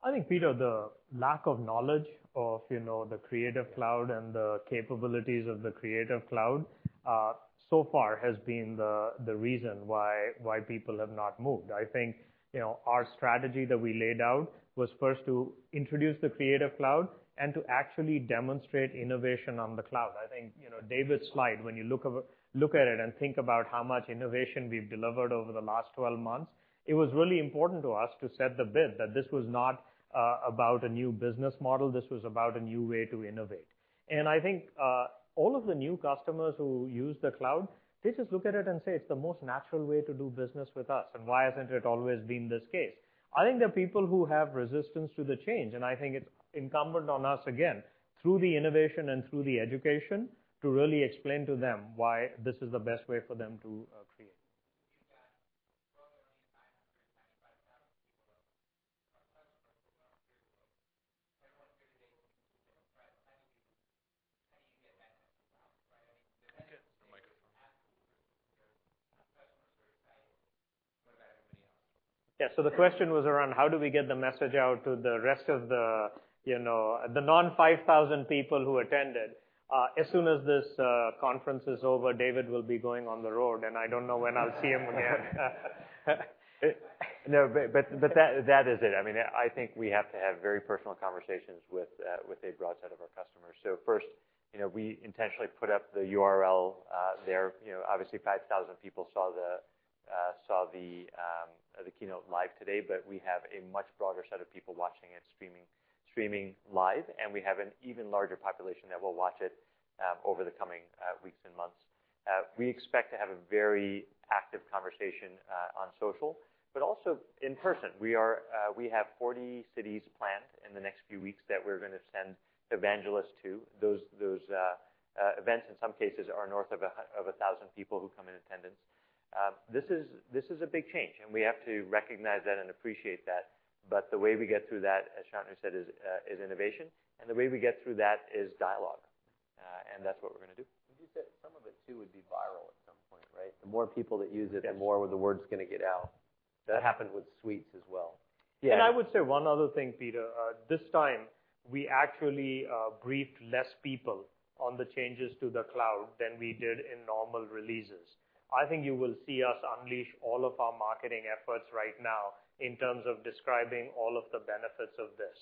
I think, Peter, the lack of knowledge of the Creative Cloud and the capabilities of the Creative Cloud so far has been the reason why people have not moved. I think our strategy that we laid out was first to introduce the Creative Cloud and to actually demonstrate innovation on the cloud. I think David's slide, when you look at it and think about how much innovation we've delivered over the last 12 months, it was really important to us to set the bar that this was not about a new business model, this was about a new way to innovate. I think all of the new customers who use the cloud, they just look at it and say it's the most natural way to do business with us, and why hasn't it always been this case? I think there are people who have resistance to the change, and I think it's incumbent on us again, through the innovation and through the education, to really explain to them why this is the best way for them to create. You've got roughly 595,000 people or customers who are creative. Everyone here today can be surprised. How do you get that message out? Get the microphone customers are excited. What about everybody else? Yeah, the question was around how do we get the message out to the rest of the non-5,000 people who attended. As soon as this conference is over, David will be going on the road, and I don't know when I'll see him again. No, but that is it. I think we have to have very personal conversations with a broad set of our customers. First, we intentionally put up the URL there. Obviously, 5,000 people saw the keynote live today, but we have a much broader set of people watching it streaming live, and we have an even larger population that will watch it over the coming weeks and months. We expect to have a very active conversation on social, but also in person. We have 40 cities planned in the next few weeks that we're going to send evangelists to. Those events, in some cases, are north of 1,000 people who come in attendance. This is a big change, and we have to recognize that and appreciate that. The way we get through that, as Shantanu said, is innovation. The way we get through that is dialogue. That's what we're going to do. Would you say some of it, too, would be viral at some point, right? The more people that use it- Yes the more the word's going to get out. That happened with Suites as well. Yeah. I would say one other thing, Peter. This time, we actually briefed less people on the changes to the Cloud than we did in normal releases. I think you will see us unleash all of our marketing efforts right now in terms of describing all of the benefits of this.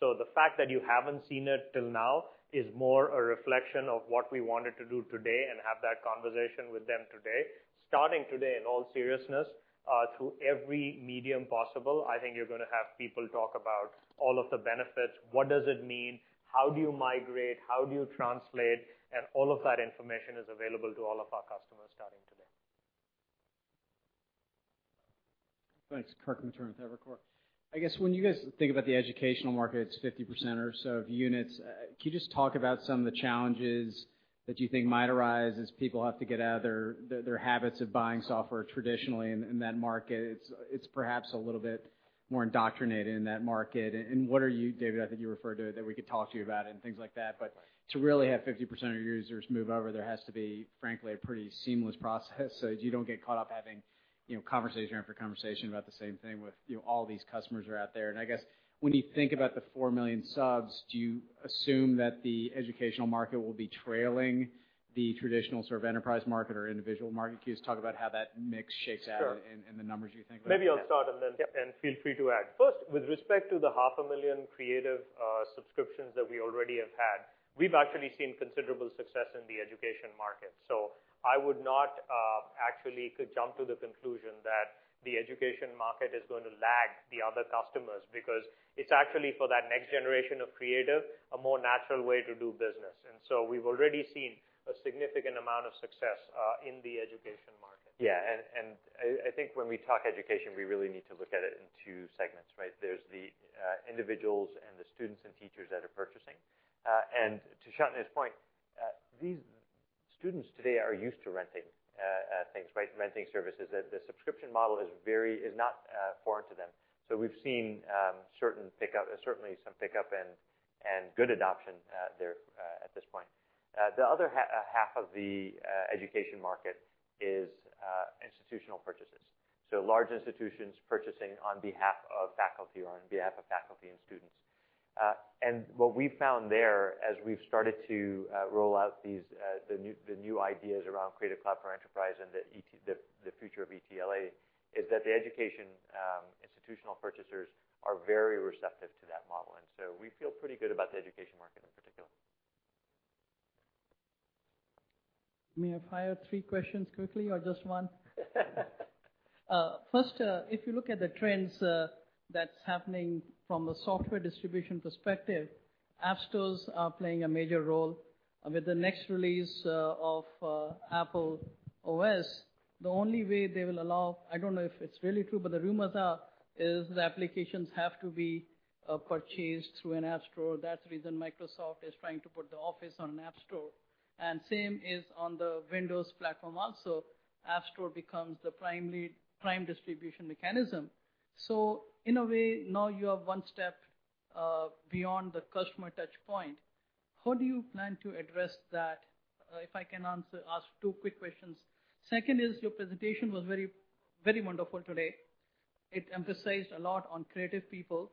The fact that you haven't seen it till now is more a reflection of what we wanted to do today and have that conversation with them today. Starting today, in all seriousness, through every medium possible, I think you're going to have people talk about all of the benefits. What does it mean? How do you migrate? How do you translate? All of that information is available to all of our customers starting today. Thanks. Kirk Materne with Evercore. I guess when you guys think about the educational market, it is 50% or so of units. Can you just talk about some of the challenges that you think might arise as people have to get out of their habits of buying software traditionally in that market? It is perhaps a little bit more indoctrinated in that market. What are you, David, I think you referred to it, that we could talk to you about it and things like that, but to really have 50% of your users move over, there has to be, frankly, a pretty seamless process so you do not get caught up having conversation after conversation about the same thing with all these customers are out there. I guess when you think about the 4 million subs, do you assume that the educational market will be trailing the traditional enterprise market or individual market? Can you just talk about how that mix shakes out. Sure The numbers you think. Maybe I will start, then. Yep Feel free to add. First, with respect to the half a million creative subscriptions that we already have had, we've actually seen considerable success in the education market. I would not actually jump to the conclusion that the education market is going to lag the other customers because it's actually for that next generation of creative, a more natural way to do business. We've already seen a significant amount of success in the education market. I think when we talk education, we really need to look at it in two segments, right? There's the individuals and the students and teachers that are purchasing. To Shantanu's point, these students today are used to renting things, right? Renting services. The subscription model is not foreign to them. We've seen certainly some pickup and good adoption there at this point. The other half of the education market is institutional purchases. Large institutions purchasing on behalf of faculty or on behalf of faculty and students. What we've found there, as we've started to roll out the new ideas around Creative Cloud for Enterprise and the future of ETLA, is that the education institutional purchasers are very receptive to that model. We feel pretty good about the education market in particular. May I fire three questions quickly or just one? First, if you look at the trends that's happening from a software distribution perspective, app stores are playing a major role. With the next release of Apple OS, the only way they will allow, I don't know if it's really true, but the rumors are, is the applications have to be purchased through an app store. That's the reason Microsoft is trying to put the Office on an app store. Same is on the Windows platform also. App store becomes the prime distribution mechanism. In a way, now you are one step beyond the customer touch point. How do you plan to address that? If I can ask two quick questions. Second is, your presentation was very wonderful today. It emphasized a lot on creative people,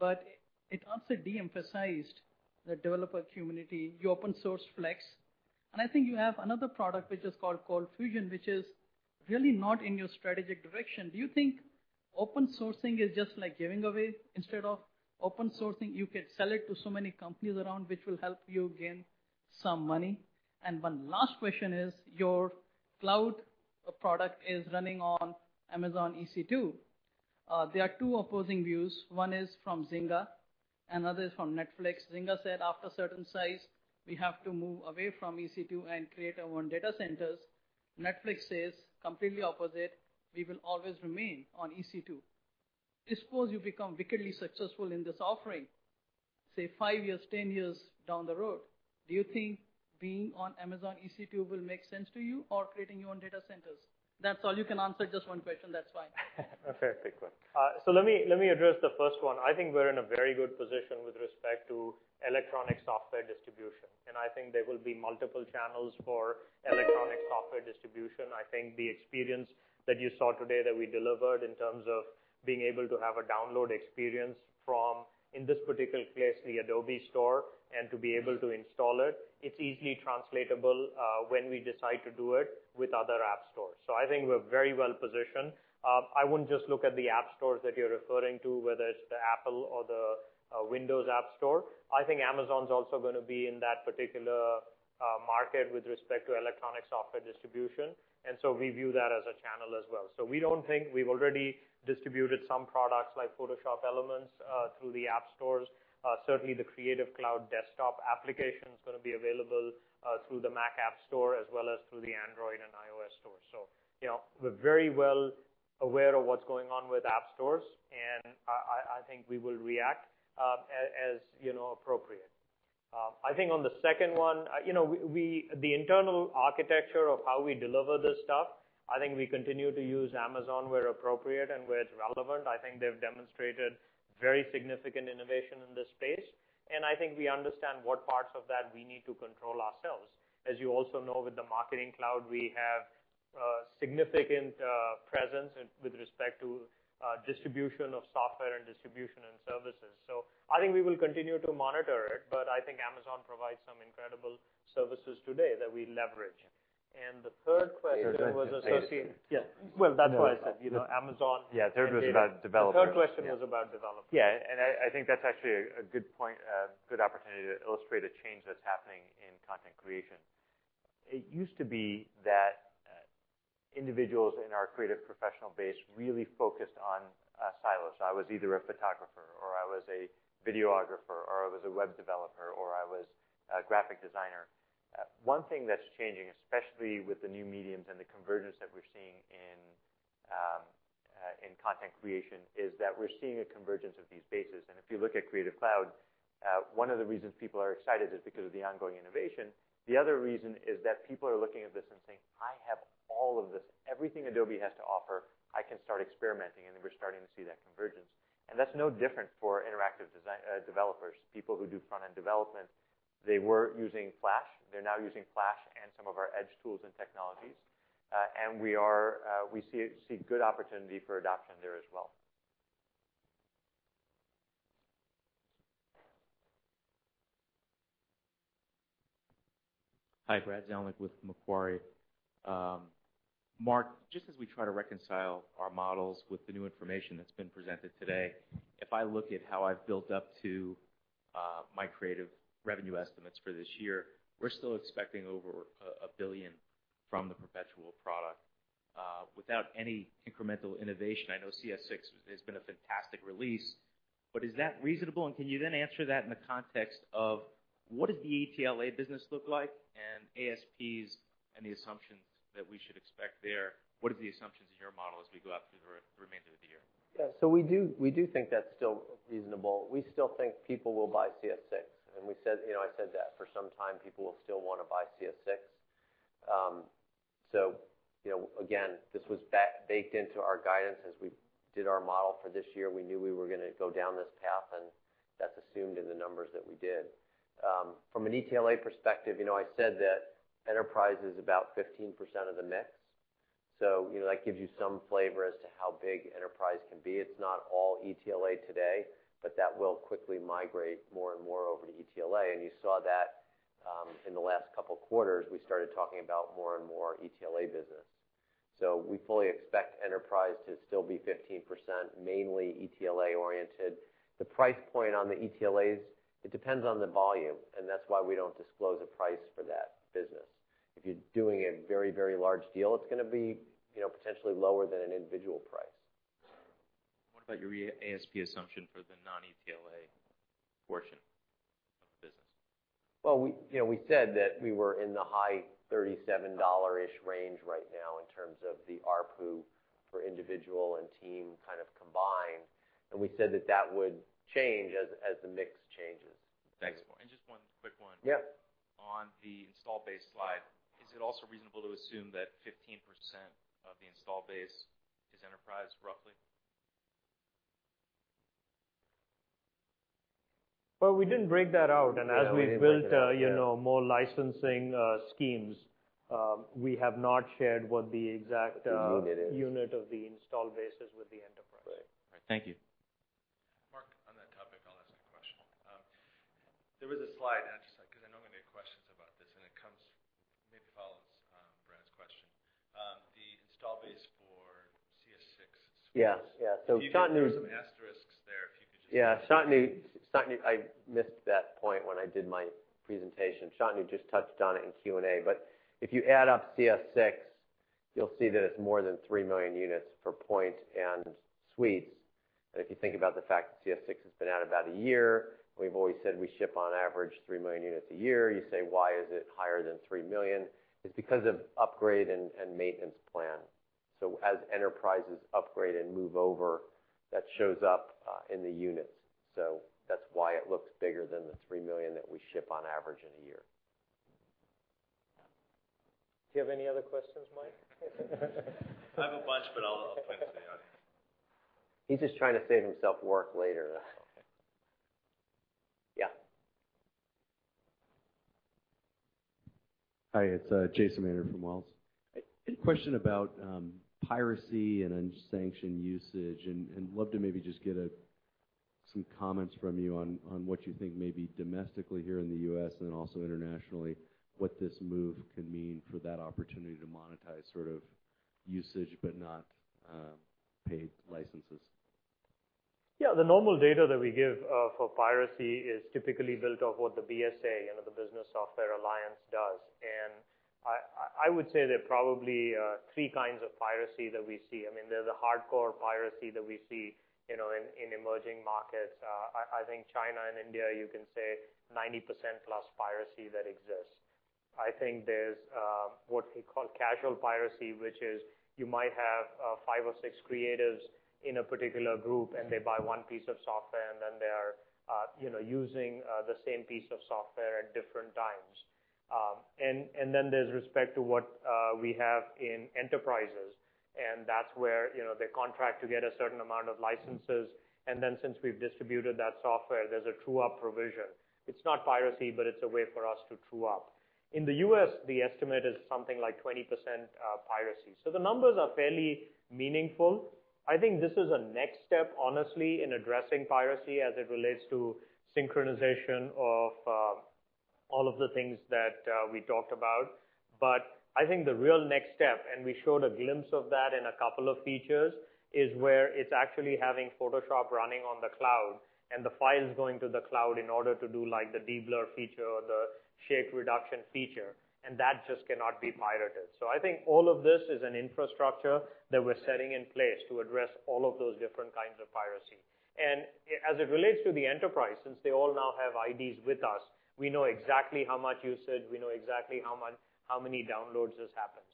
but it also de-emphasized the developer community, your open source Flex. I think you have another product which is called ColdFusion, which is really not in your strategic direction. Do you think open sourcing is just like giving away? Instead of open sourcing, you can sell it to so many companies around which will help you gain some money. One last question is, your cloud product is running on Amazon EC2. There are two opposing views. One is from Zynga, another is from Netflix. Zynga said after a certain size, we have to move away from EC2 and create our own data centers. Netflix says completely opposite, we will always remain on EC2. Suppose you become wickedly successful in this offering, say, five years, 10 years down the road. Do you think being on Amazon EC2 will make sense to you or creating your own data centers? That's all. You can answer just one question. That's fine. A fair, quick one. Let me address the first one. I think we're in a very good position with respect to electronic software distribution, and I think there will be multiple channels for electronic software distribution. I think the experience that you saw today that we delivered in terms of being able to have a download experience from, in this particular case, the Adobe Store, and to be able to install it. It's easily translatable when we decide to do it with other app stores. I think we're very well positioned. I wouldn't just look at the app stores that you're referring to, whether it's the Apple or the Windows App Store. Amazon's also going to be in that particular market with respect to electronic software distribution, and we view that as a channel as well. We've already distributed some products like Photoshop Elements, through the app stores. Certainly, the Creative Cloud desktop application's going to be available through the Mac App Store as well as through the Android and iOS Store. We're very well aware of what's going on with app stores, and I think we will react as appropriate. I think on the second one, the internal architecture of how we deliver this stuff, I think we continue to use Amazon where appropriate and where it's relevant. I think they've demonstrated very significant innovation in this space, and I think we understand what parts of that we need to control ourselves. As you also know, with the Marketing Cloud, we have a significant presence with respect to distribution of software and distribution and services. I think we will continue to monitor it, but I think Amazon provides some incredible services today that we leverage. The third question was associated. Yeah. Well, that's what I said, Amazon. Yeah, third was about developers The third question was about developers. Yeah, I think that's actually a good point, a good opportunity to illustrate a change that's happening in content creation. It used to be that individuals in our creative professional base really focused on silos. I was either a photographer, or I was a videographer, or I was a web developer, or I was a graphic designer. One thing that's changing, especially with the new mediums and the convergence that we're seeing in content creation, is that we're seeing a convergence of these bases. If you look at Creative Cloud, one of the reasons people are excited is because of the ongoing innovation. The other reason is that people are looking at this and saying, "I have all of this. Everything Adobe has to offer, I can start experimenting," and we're starting to see that convergence. That's no different for interactive developers, people who do front-end development. They were using Flash, they're now using Flash and some of our Edge tools and technologies. We see a good opportunity for adoption there as well. Hi, Brad Zelnick with Macquarie. Mark, just as we try to reconcile our models with the new information that's been presented today, if I look at how I've built up to my creative revenue estimates for this year, we're still expecting over $1 billion from the perpetual product without any incremental innovation. I know CS6 has been a fantastic release. Is that reasonable? Can you then answer that in the context of what does the ETLA business look like, and ASPs and the assumptions that we should expect there? What are the assumptions in your model as we go out through the remainder of the year? Yeah. We do think that's still reasonable. We still think people will buy CS6, and I said that for some time, people will still want to buy CS6. Again, this was baked into our guidance as we did our model for this year. We knew we were going to go down this path, and that's assumed in the numbers that we did. From an ETLA perspective, I said that Enterprise is about 15% of the mix. That gives you some flavor as to how big Enterprise can be. It's not all ETLA today, but that will quickly migrate more and more over to ETLA. You saw that in the last couple of quarters, we started talking about more and more ETLA business. We fully expect Enterprise to still be 15%, mainly ETLA oriented. The price point on the ETLAs, it depends on the volume, and that's why we don't disclose a price for that business. If you're doing a very large deal, it's going to be potentially lower than an individual price. What about your ASP assumption for the non-ETLA portion of the business? Well, we said that we were in the high $37-ish range right now in terms of the ARPU for individual and team kind of combined. We said that that would change as the mix changes. Thanks. Just one quick one. Yep. On the install base slide, is it also reasonable to assume that 15% of the install base is enterprise, roughly? Well, we didn't break that out. Yeah, we didn't break it out as we've built more licensing schemes, we have not shared what the exact Unit is unit of the install base is with the Enterprise. Right. Thank you. Mark, on that topic, I'll ask a question. There was a slide, I'll just check because I know I'm going to get questions about this, it maybe follows Brad's question. The install base for CS6 Suites. Yeah. There were some asterisks there, if you could just. Yeah, I missed that point when I did my presentation. Shantanu just touched on it in Q&A. If you add up CS6, you'll see that it's more than 3 million units for point and suites. If you think about the fact that CS6 has been out about a year, we've always said we ship on average 3 million units a year. You say, "Why is it higher than 3 million?" It's because of upgrade and maintenance plan. As Enterprises upgrade and move over, that shows up in the units. That's why it looks bigger than the 3 million that we ship on average in a year. Do you have any other questions, Mike? I have a bunch, but I'll point to the audience. He's just trying to save himself work later, that's all. Hi, it's Jason Mader from Wells. A question about piracy and unsanctioned usage. Love to maybe just get some comments from you on what you think may be domestically here in the U.S. and then also internationally, what this move can mean for that opportunity to monetize sort of usage, but not paid licenses. Yeah. The normal data that we give for piracy is typically built off what the BSA, the Business Software Alliance, does. I would say there are probably three kinds of piracy that we see. There's a hardcore piracy that we see in emerging markets. I think China and India, you can say 90%-plus piracy that exists. I think there's what we call casual piracy, which is you might have five or six creatives in a particular group, and they buy one piece of software, and then they are using the same piece of software at different times. Then there's respect to what we have in enterprises, and that's where they contract to get a certain amount of licenses. Then since we've distributed that software, there's a true-up provision. It's not piracy, but it's a way for us to true up. In the U.S., the estimate is something like 20% piracy. The numbers are fairly meaningful. I think this is a next step, honestly, in addressing piracy as it relates to synchronization of all of the things that we talked about. I think the real next step, and we showed a glimpse of that in a couple of features, is where it's actually having Adobe Photoshop running on the cloud and the files going to the cloud in order to do the deblur feature or the shake reduction feature, and that just cannot be pirated. I think all of this is an infrastructure that we're setting in place to address all of those different kinds of piracy. As it relates to the enterprise, since they all now have IDs with us, we know exactly how much usage, we know exactly how many downloads has happened.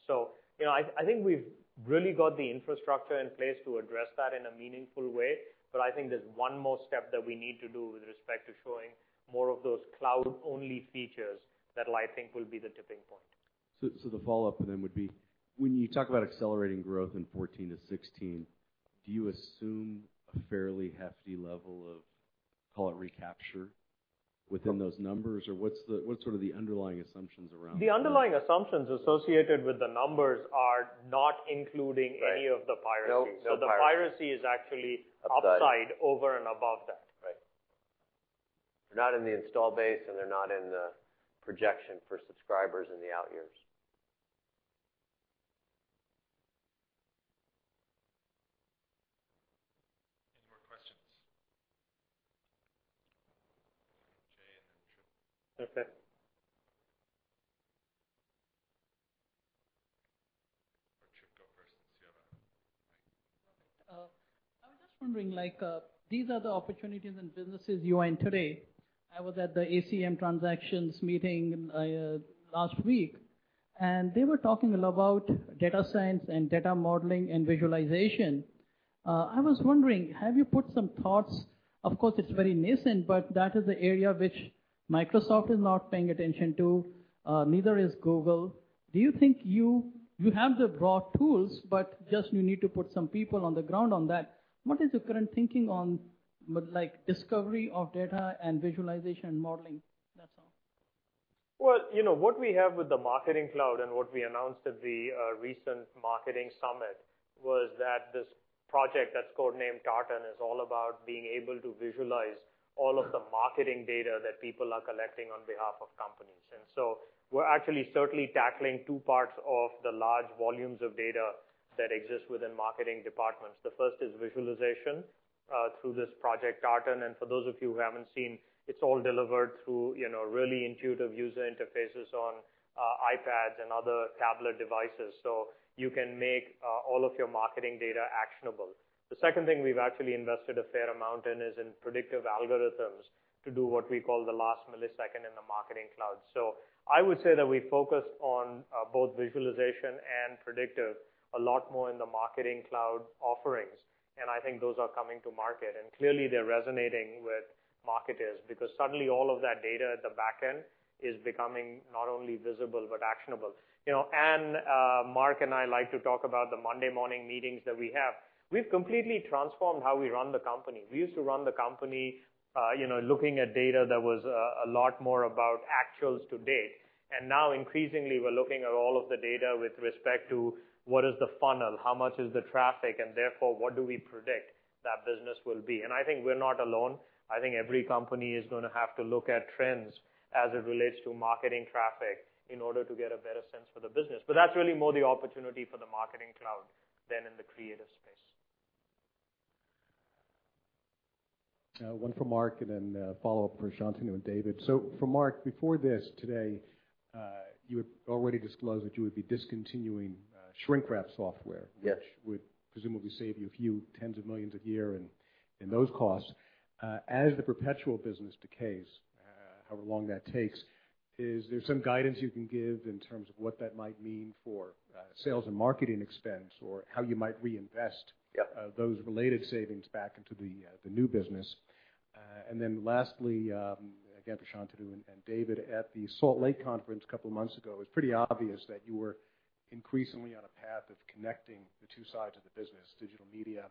I think we've really got the infrastructure in place to address that in a meaningful way. I think there's one more step that we need to do with respect to showing more of those cloud-only features that I think will be the tipping point. The follow-up then would be, when you talk about accelerating growth in 2014 to 2016, do you assume a fairly hefty level of, call it, recapture within those numbers? What's sort of the underlying assumptions around that? The underlying assumptions associated with the numbers are not including any of the piracy. Right. No piracy. The piracy is. Upside upside, over and above that. Right. They're not in the install base, and they're not in the projection for subscribers in the out years. Any more questions? Jay and then Trip. Okay. Trip, go first since you have a mic. Perfect. I was just wondering, these are the opportunities and businesses you are in today. I was at the ACM transactions meeting last week, and they were talking a lot about data science and data modeling and visualization. I was wondering, have you put some thoughts, of course, it's very nascent, but that is the area which Microsoft is not paying attention to, neither is Google. You have the broad tools, but just you need to put some people on the ground on that. What is your current thinking on discovery of data and visualization modeling? That's all. What we have with the Adobe Marketing Cloud and what we announced at the recent Marketing Summit was that this project that's codenamed Tartan is all about being able to visualize all of the marketing data that people are collecting on behalf of companies. We're actually certainly tackling two parts of the large volumes of data that exist within marketing departments. The first is visualization through this project, Tartan. For those of you who haven't seen, it's all delivered through really intuitive user interfaces on iPads and other tablet devices. You can make all of your marketing data actionable. The second thing we've actually invested a fair amount in is in predictive algorithms to do what we call the last millisecond in the Adobe Marketing Cloud. I would say that we focus on both visualization and predictive a lot more in the Adobe Marketing Cloud offerings, I think those are coming to market. Clearly, they're resonating with marketers because suddenly all of that data at the back end is becoming not only visible but actionable. Mark and I like to talk about the Monday morning meetings that we have. We've completely transformed how we run the company. We used to run the company looking at data that was a lot more about actuals to date. Now increasingly, we're looking at all of the data with respect to what is the funnel, how much is the traffic, and therefore, what do we predict that business will be. I think we're not alone. I think every company is going to have to look at trends as it relates to marketing traffic in order to get a better sense for the business. That's really more the opportunity for the Adobe Marketing Cloud than in the Creative space. One for Mark and then a follow-up for Shantanu and David. For Mark, before this today, you had already disclosed that you would be discontinuing shrink-wrap software. Yes which would presumably save you a few tens of millions a year in those costs. As the perpetual business decays, however long that takes, is there some guidance you can give in terms of what that might mean for sales and marketing expense, or how you might reinvest- Yep Lastly, again for Shantanu and David, at the Salt Lake conference a couple of months ago, it was pretty obvious that you were increasingly on a path of connecting the two sides of the business, Digital Media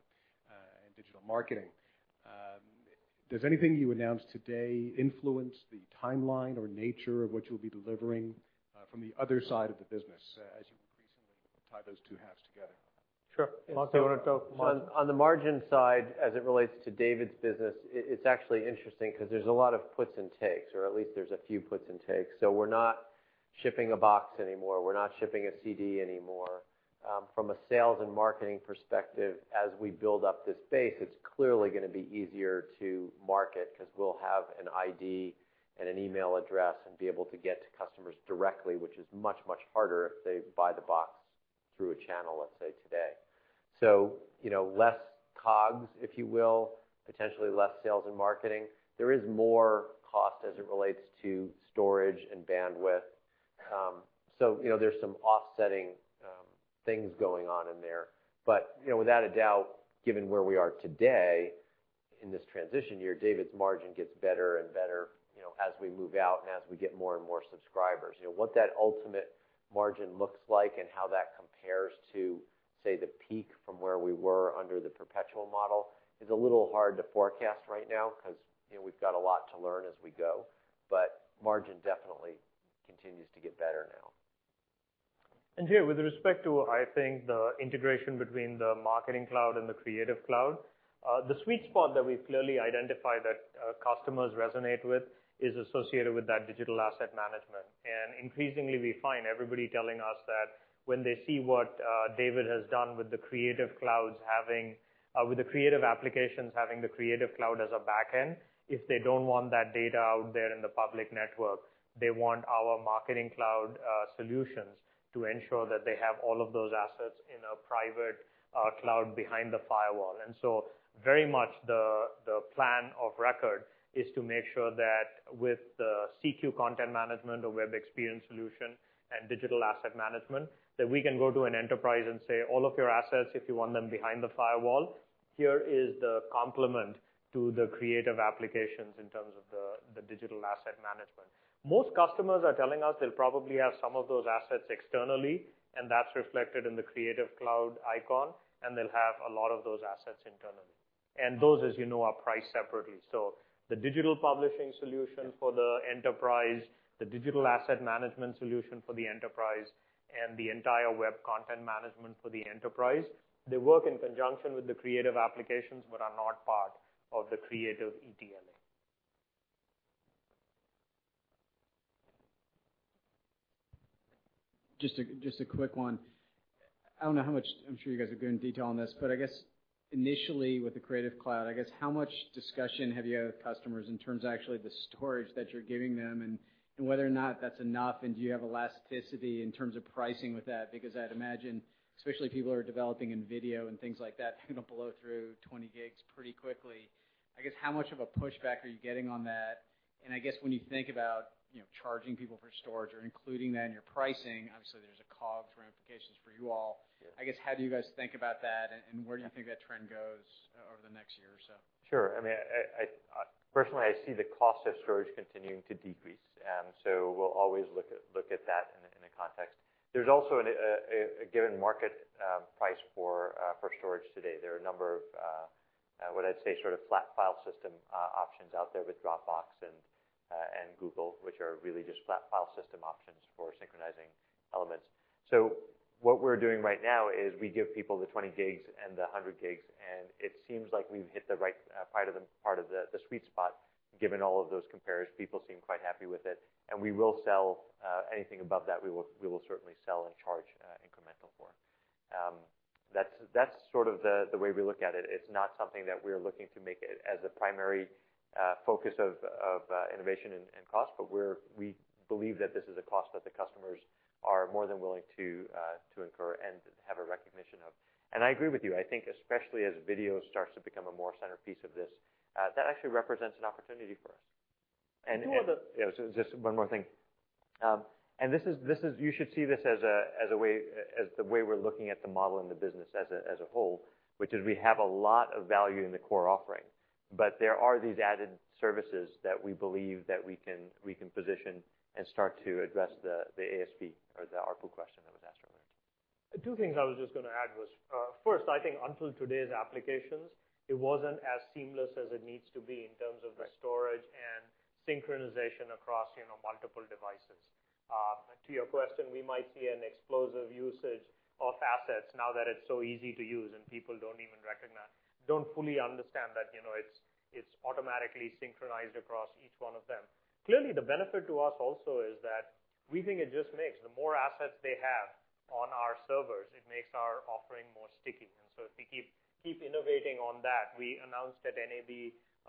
and Digital Marketing. Does anything you announce today influence the timeline or nature of what you'll be delivering from the other side of the business as you recently tied those two halves together? Sure. Mark, do you want to go? On the margin side, as it relates to David's business, it's actually interesting because there's a lot of puts and takes, or at least there's a few puts and takes. We're not shipping a box anymore. We're not shipping a CD anymore. From a sales and marketing perspective, as we build up this base, it's clearly going to be easier to market because we'll have an ID and an email address and be able to get to customers directly, which is much, much harder if they buy the box through a channel, let's say today. Less cogs, if you will, potentially less sales and marketing. There is more cost as it relates to storage and bandwidth. There's some offsetting things going on in there. Without a doubt, given where we are today in this transition year, David's margin gets better and better as we move out and as we get more and more subscribers. What that ultimate margin looks like and how that compares to, say, the peak from where we were under the perpetual model is a little hard to forecast right now because we've got a lot to learn as we go. Margin definitely continues to get better now. Jay, with respect to, I think, the integration between the Marketing Cloud and the Creative Cloud, the sweet spot that we've clearly identified that customers resonate with is associated with that digital asset management. Increasingly, we find everybody telling us that when they see what David has done with the Creative applications having the Creative Cloud as a back end, if they don't want that data out there in the public network, they want our Marketing Cloud solutions to ensure that they have all of those assets in a private cloud behind the firewall. Very much the plan of record is to make sure that with the CQ content management or web experience solution and digital asset management, that we can go to an enterprise and say, "All of your assets, if you want them behind the firewall, here is the complement to the Creative applications in terms of the digital asset management." Most customers are telling us they'll probably have some of those assets externally, and that's reflected in the Creative Cloud icon, and they'll have a lot of those assets internally. Those, as you know, are priced separately. The Digital Publishing Suite for the enterprise, the digital asset management solution for the enterprise, and the entire web content management for the enterprise, they work in conjunction with the Creative applications but are not part of the Creative ETLA. Just a quick one. I'm sure you guys will go into detail on this, initially with the Creative Cloud, how much discussion have you had with customers in terms of actually the storage that you're giving them and whether or not that's enough, and do you have elasticity in terms of pricing with that? I'd imagine, especially people who are developing in video and things like that are going to blow through 20 GB pretty quickly. How much of a pushback are you getting on that? When you think about charging people for storage or including that in your pricing, obviously there's a cost implications for you all. Yeah. How do you guys think about that, and where do you think that trend goes over the next year or so? Sure. Personally, I see the cost of storage continuing to decrease. We'll always look at that in a context. There's also a given market price for storage today. There are a number of, what I'd say, sort of flat file system options out there with Dropbox and Google, which are really just flat file system options for synchronizing elements. What we're doing right now is we give people the 20 GB and the 100 GB. It seems like we've hit the right part of the sweet spot given all of those compares. People seem quite happy with it. Anything above that, we will certainly sell and charge incremental for. That's sort of the way we look at it. It's not something that we're looking to make as a primary focus of innovation and cost. We believe that this is a cost that the customers are more than willing to incur and have a recognition of. I agree with you. I think especially as video starts to become a more centerpiece of this, that actually represents an opportunity for us. Two of the- Just one more thing. You should see this as the way we're looking at the model and the business as a whole, which is we have a lot of value in the core offering. There are these added services that we believe that we can position and start to address the ASP or the ARPU question that was asked earlier. Two things I was just going to add was, first, I think until today's applications, it wasn't as seamless as it needs to be in terms of the storage and synchronization across multiple devices. To your question, we might see an explosive usage of assets now that it's so easy to use and people don't fully understand that it's automatically synchronized across each one of them. Clearly, the benefit to us also is that we think it just makes the more assets they have on our servers, it makes our offering more sticky. If we keep innovating on that, we announced at NAB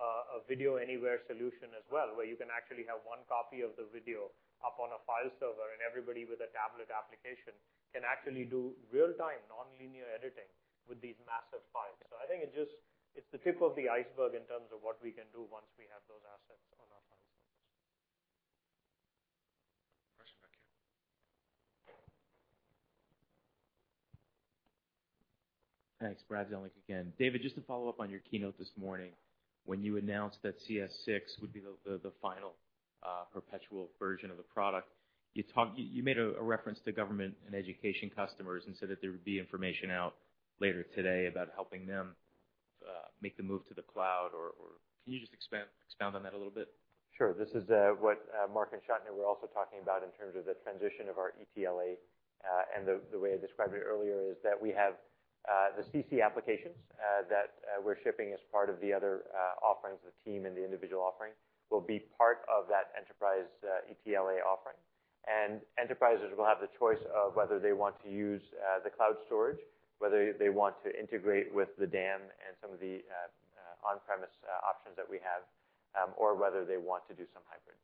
a video anywhere solution as well, where you can actually have one copy of the video up on a file server, and everybody with a tablet application can actually do real-time non-linear editing with these massive files. I think it's the tip of the iceberg in terms of what we can do once we have those assets on our file servers. Question back here. Thanks. Brad Zelnick again. David, just to follow up on your keynote this morning, when you announced that CS 6 would be the final perpetual version of the product, you made a reference to government and education customers and said that there would be information out later today about helping them make the move to the cloud, can you just expound on that a little bit? Sure. This is what Mark and Shantanu were also talking about in terms of the transition of our ETLA. The way I described it earlier is that we have the CC applications that we're shipping as part of the other offerings, the team and the individual offering, will be part of that enterprise ETLA offering. Enterprises will have the choice of whether they want to use the cloud storage, whether they want to integrate with the DAM and some of the on-premise options that we have, or whether they want to do some hybrid.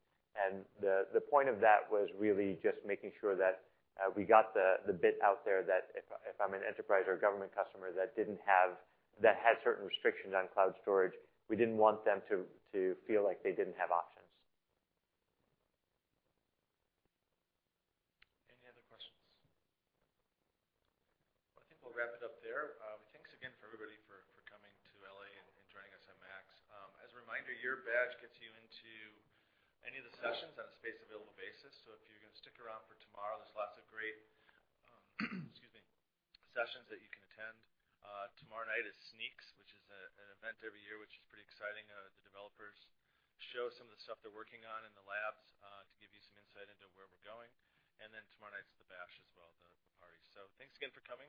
The point of that was really just making sure that we got the bit out there that if I'm an enterprise or government customer that has certain restrictions on cloud storage, we didn't want them to feel like they didn't have options. Any other questions? I think we'll wrap it up there. Thanks again for everybody for coming to L.A. and joining us at MAX. As a reminder, your badge gets you into any of the sessions on a space available basis, so if you're going to stick around for tomorrow, there's lots of great, excuse me, sessions that you can attend. Tomorrow night is Sneaks, which is an event every year, which is pretty exciting. The developers show some of the stuff they're working on in the labs to give you some insight into where we're going. Tomorrow night's the bash as well, the party. Thanks again for coming.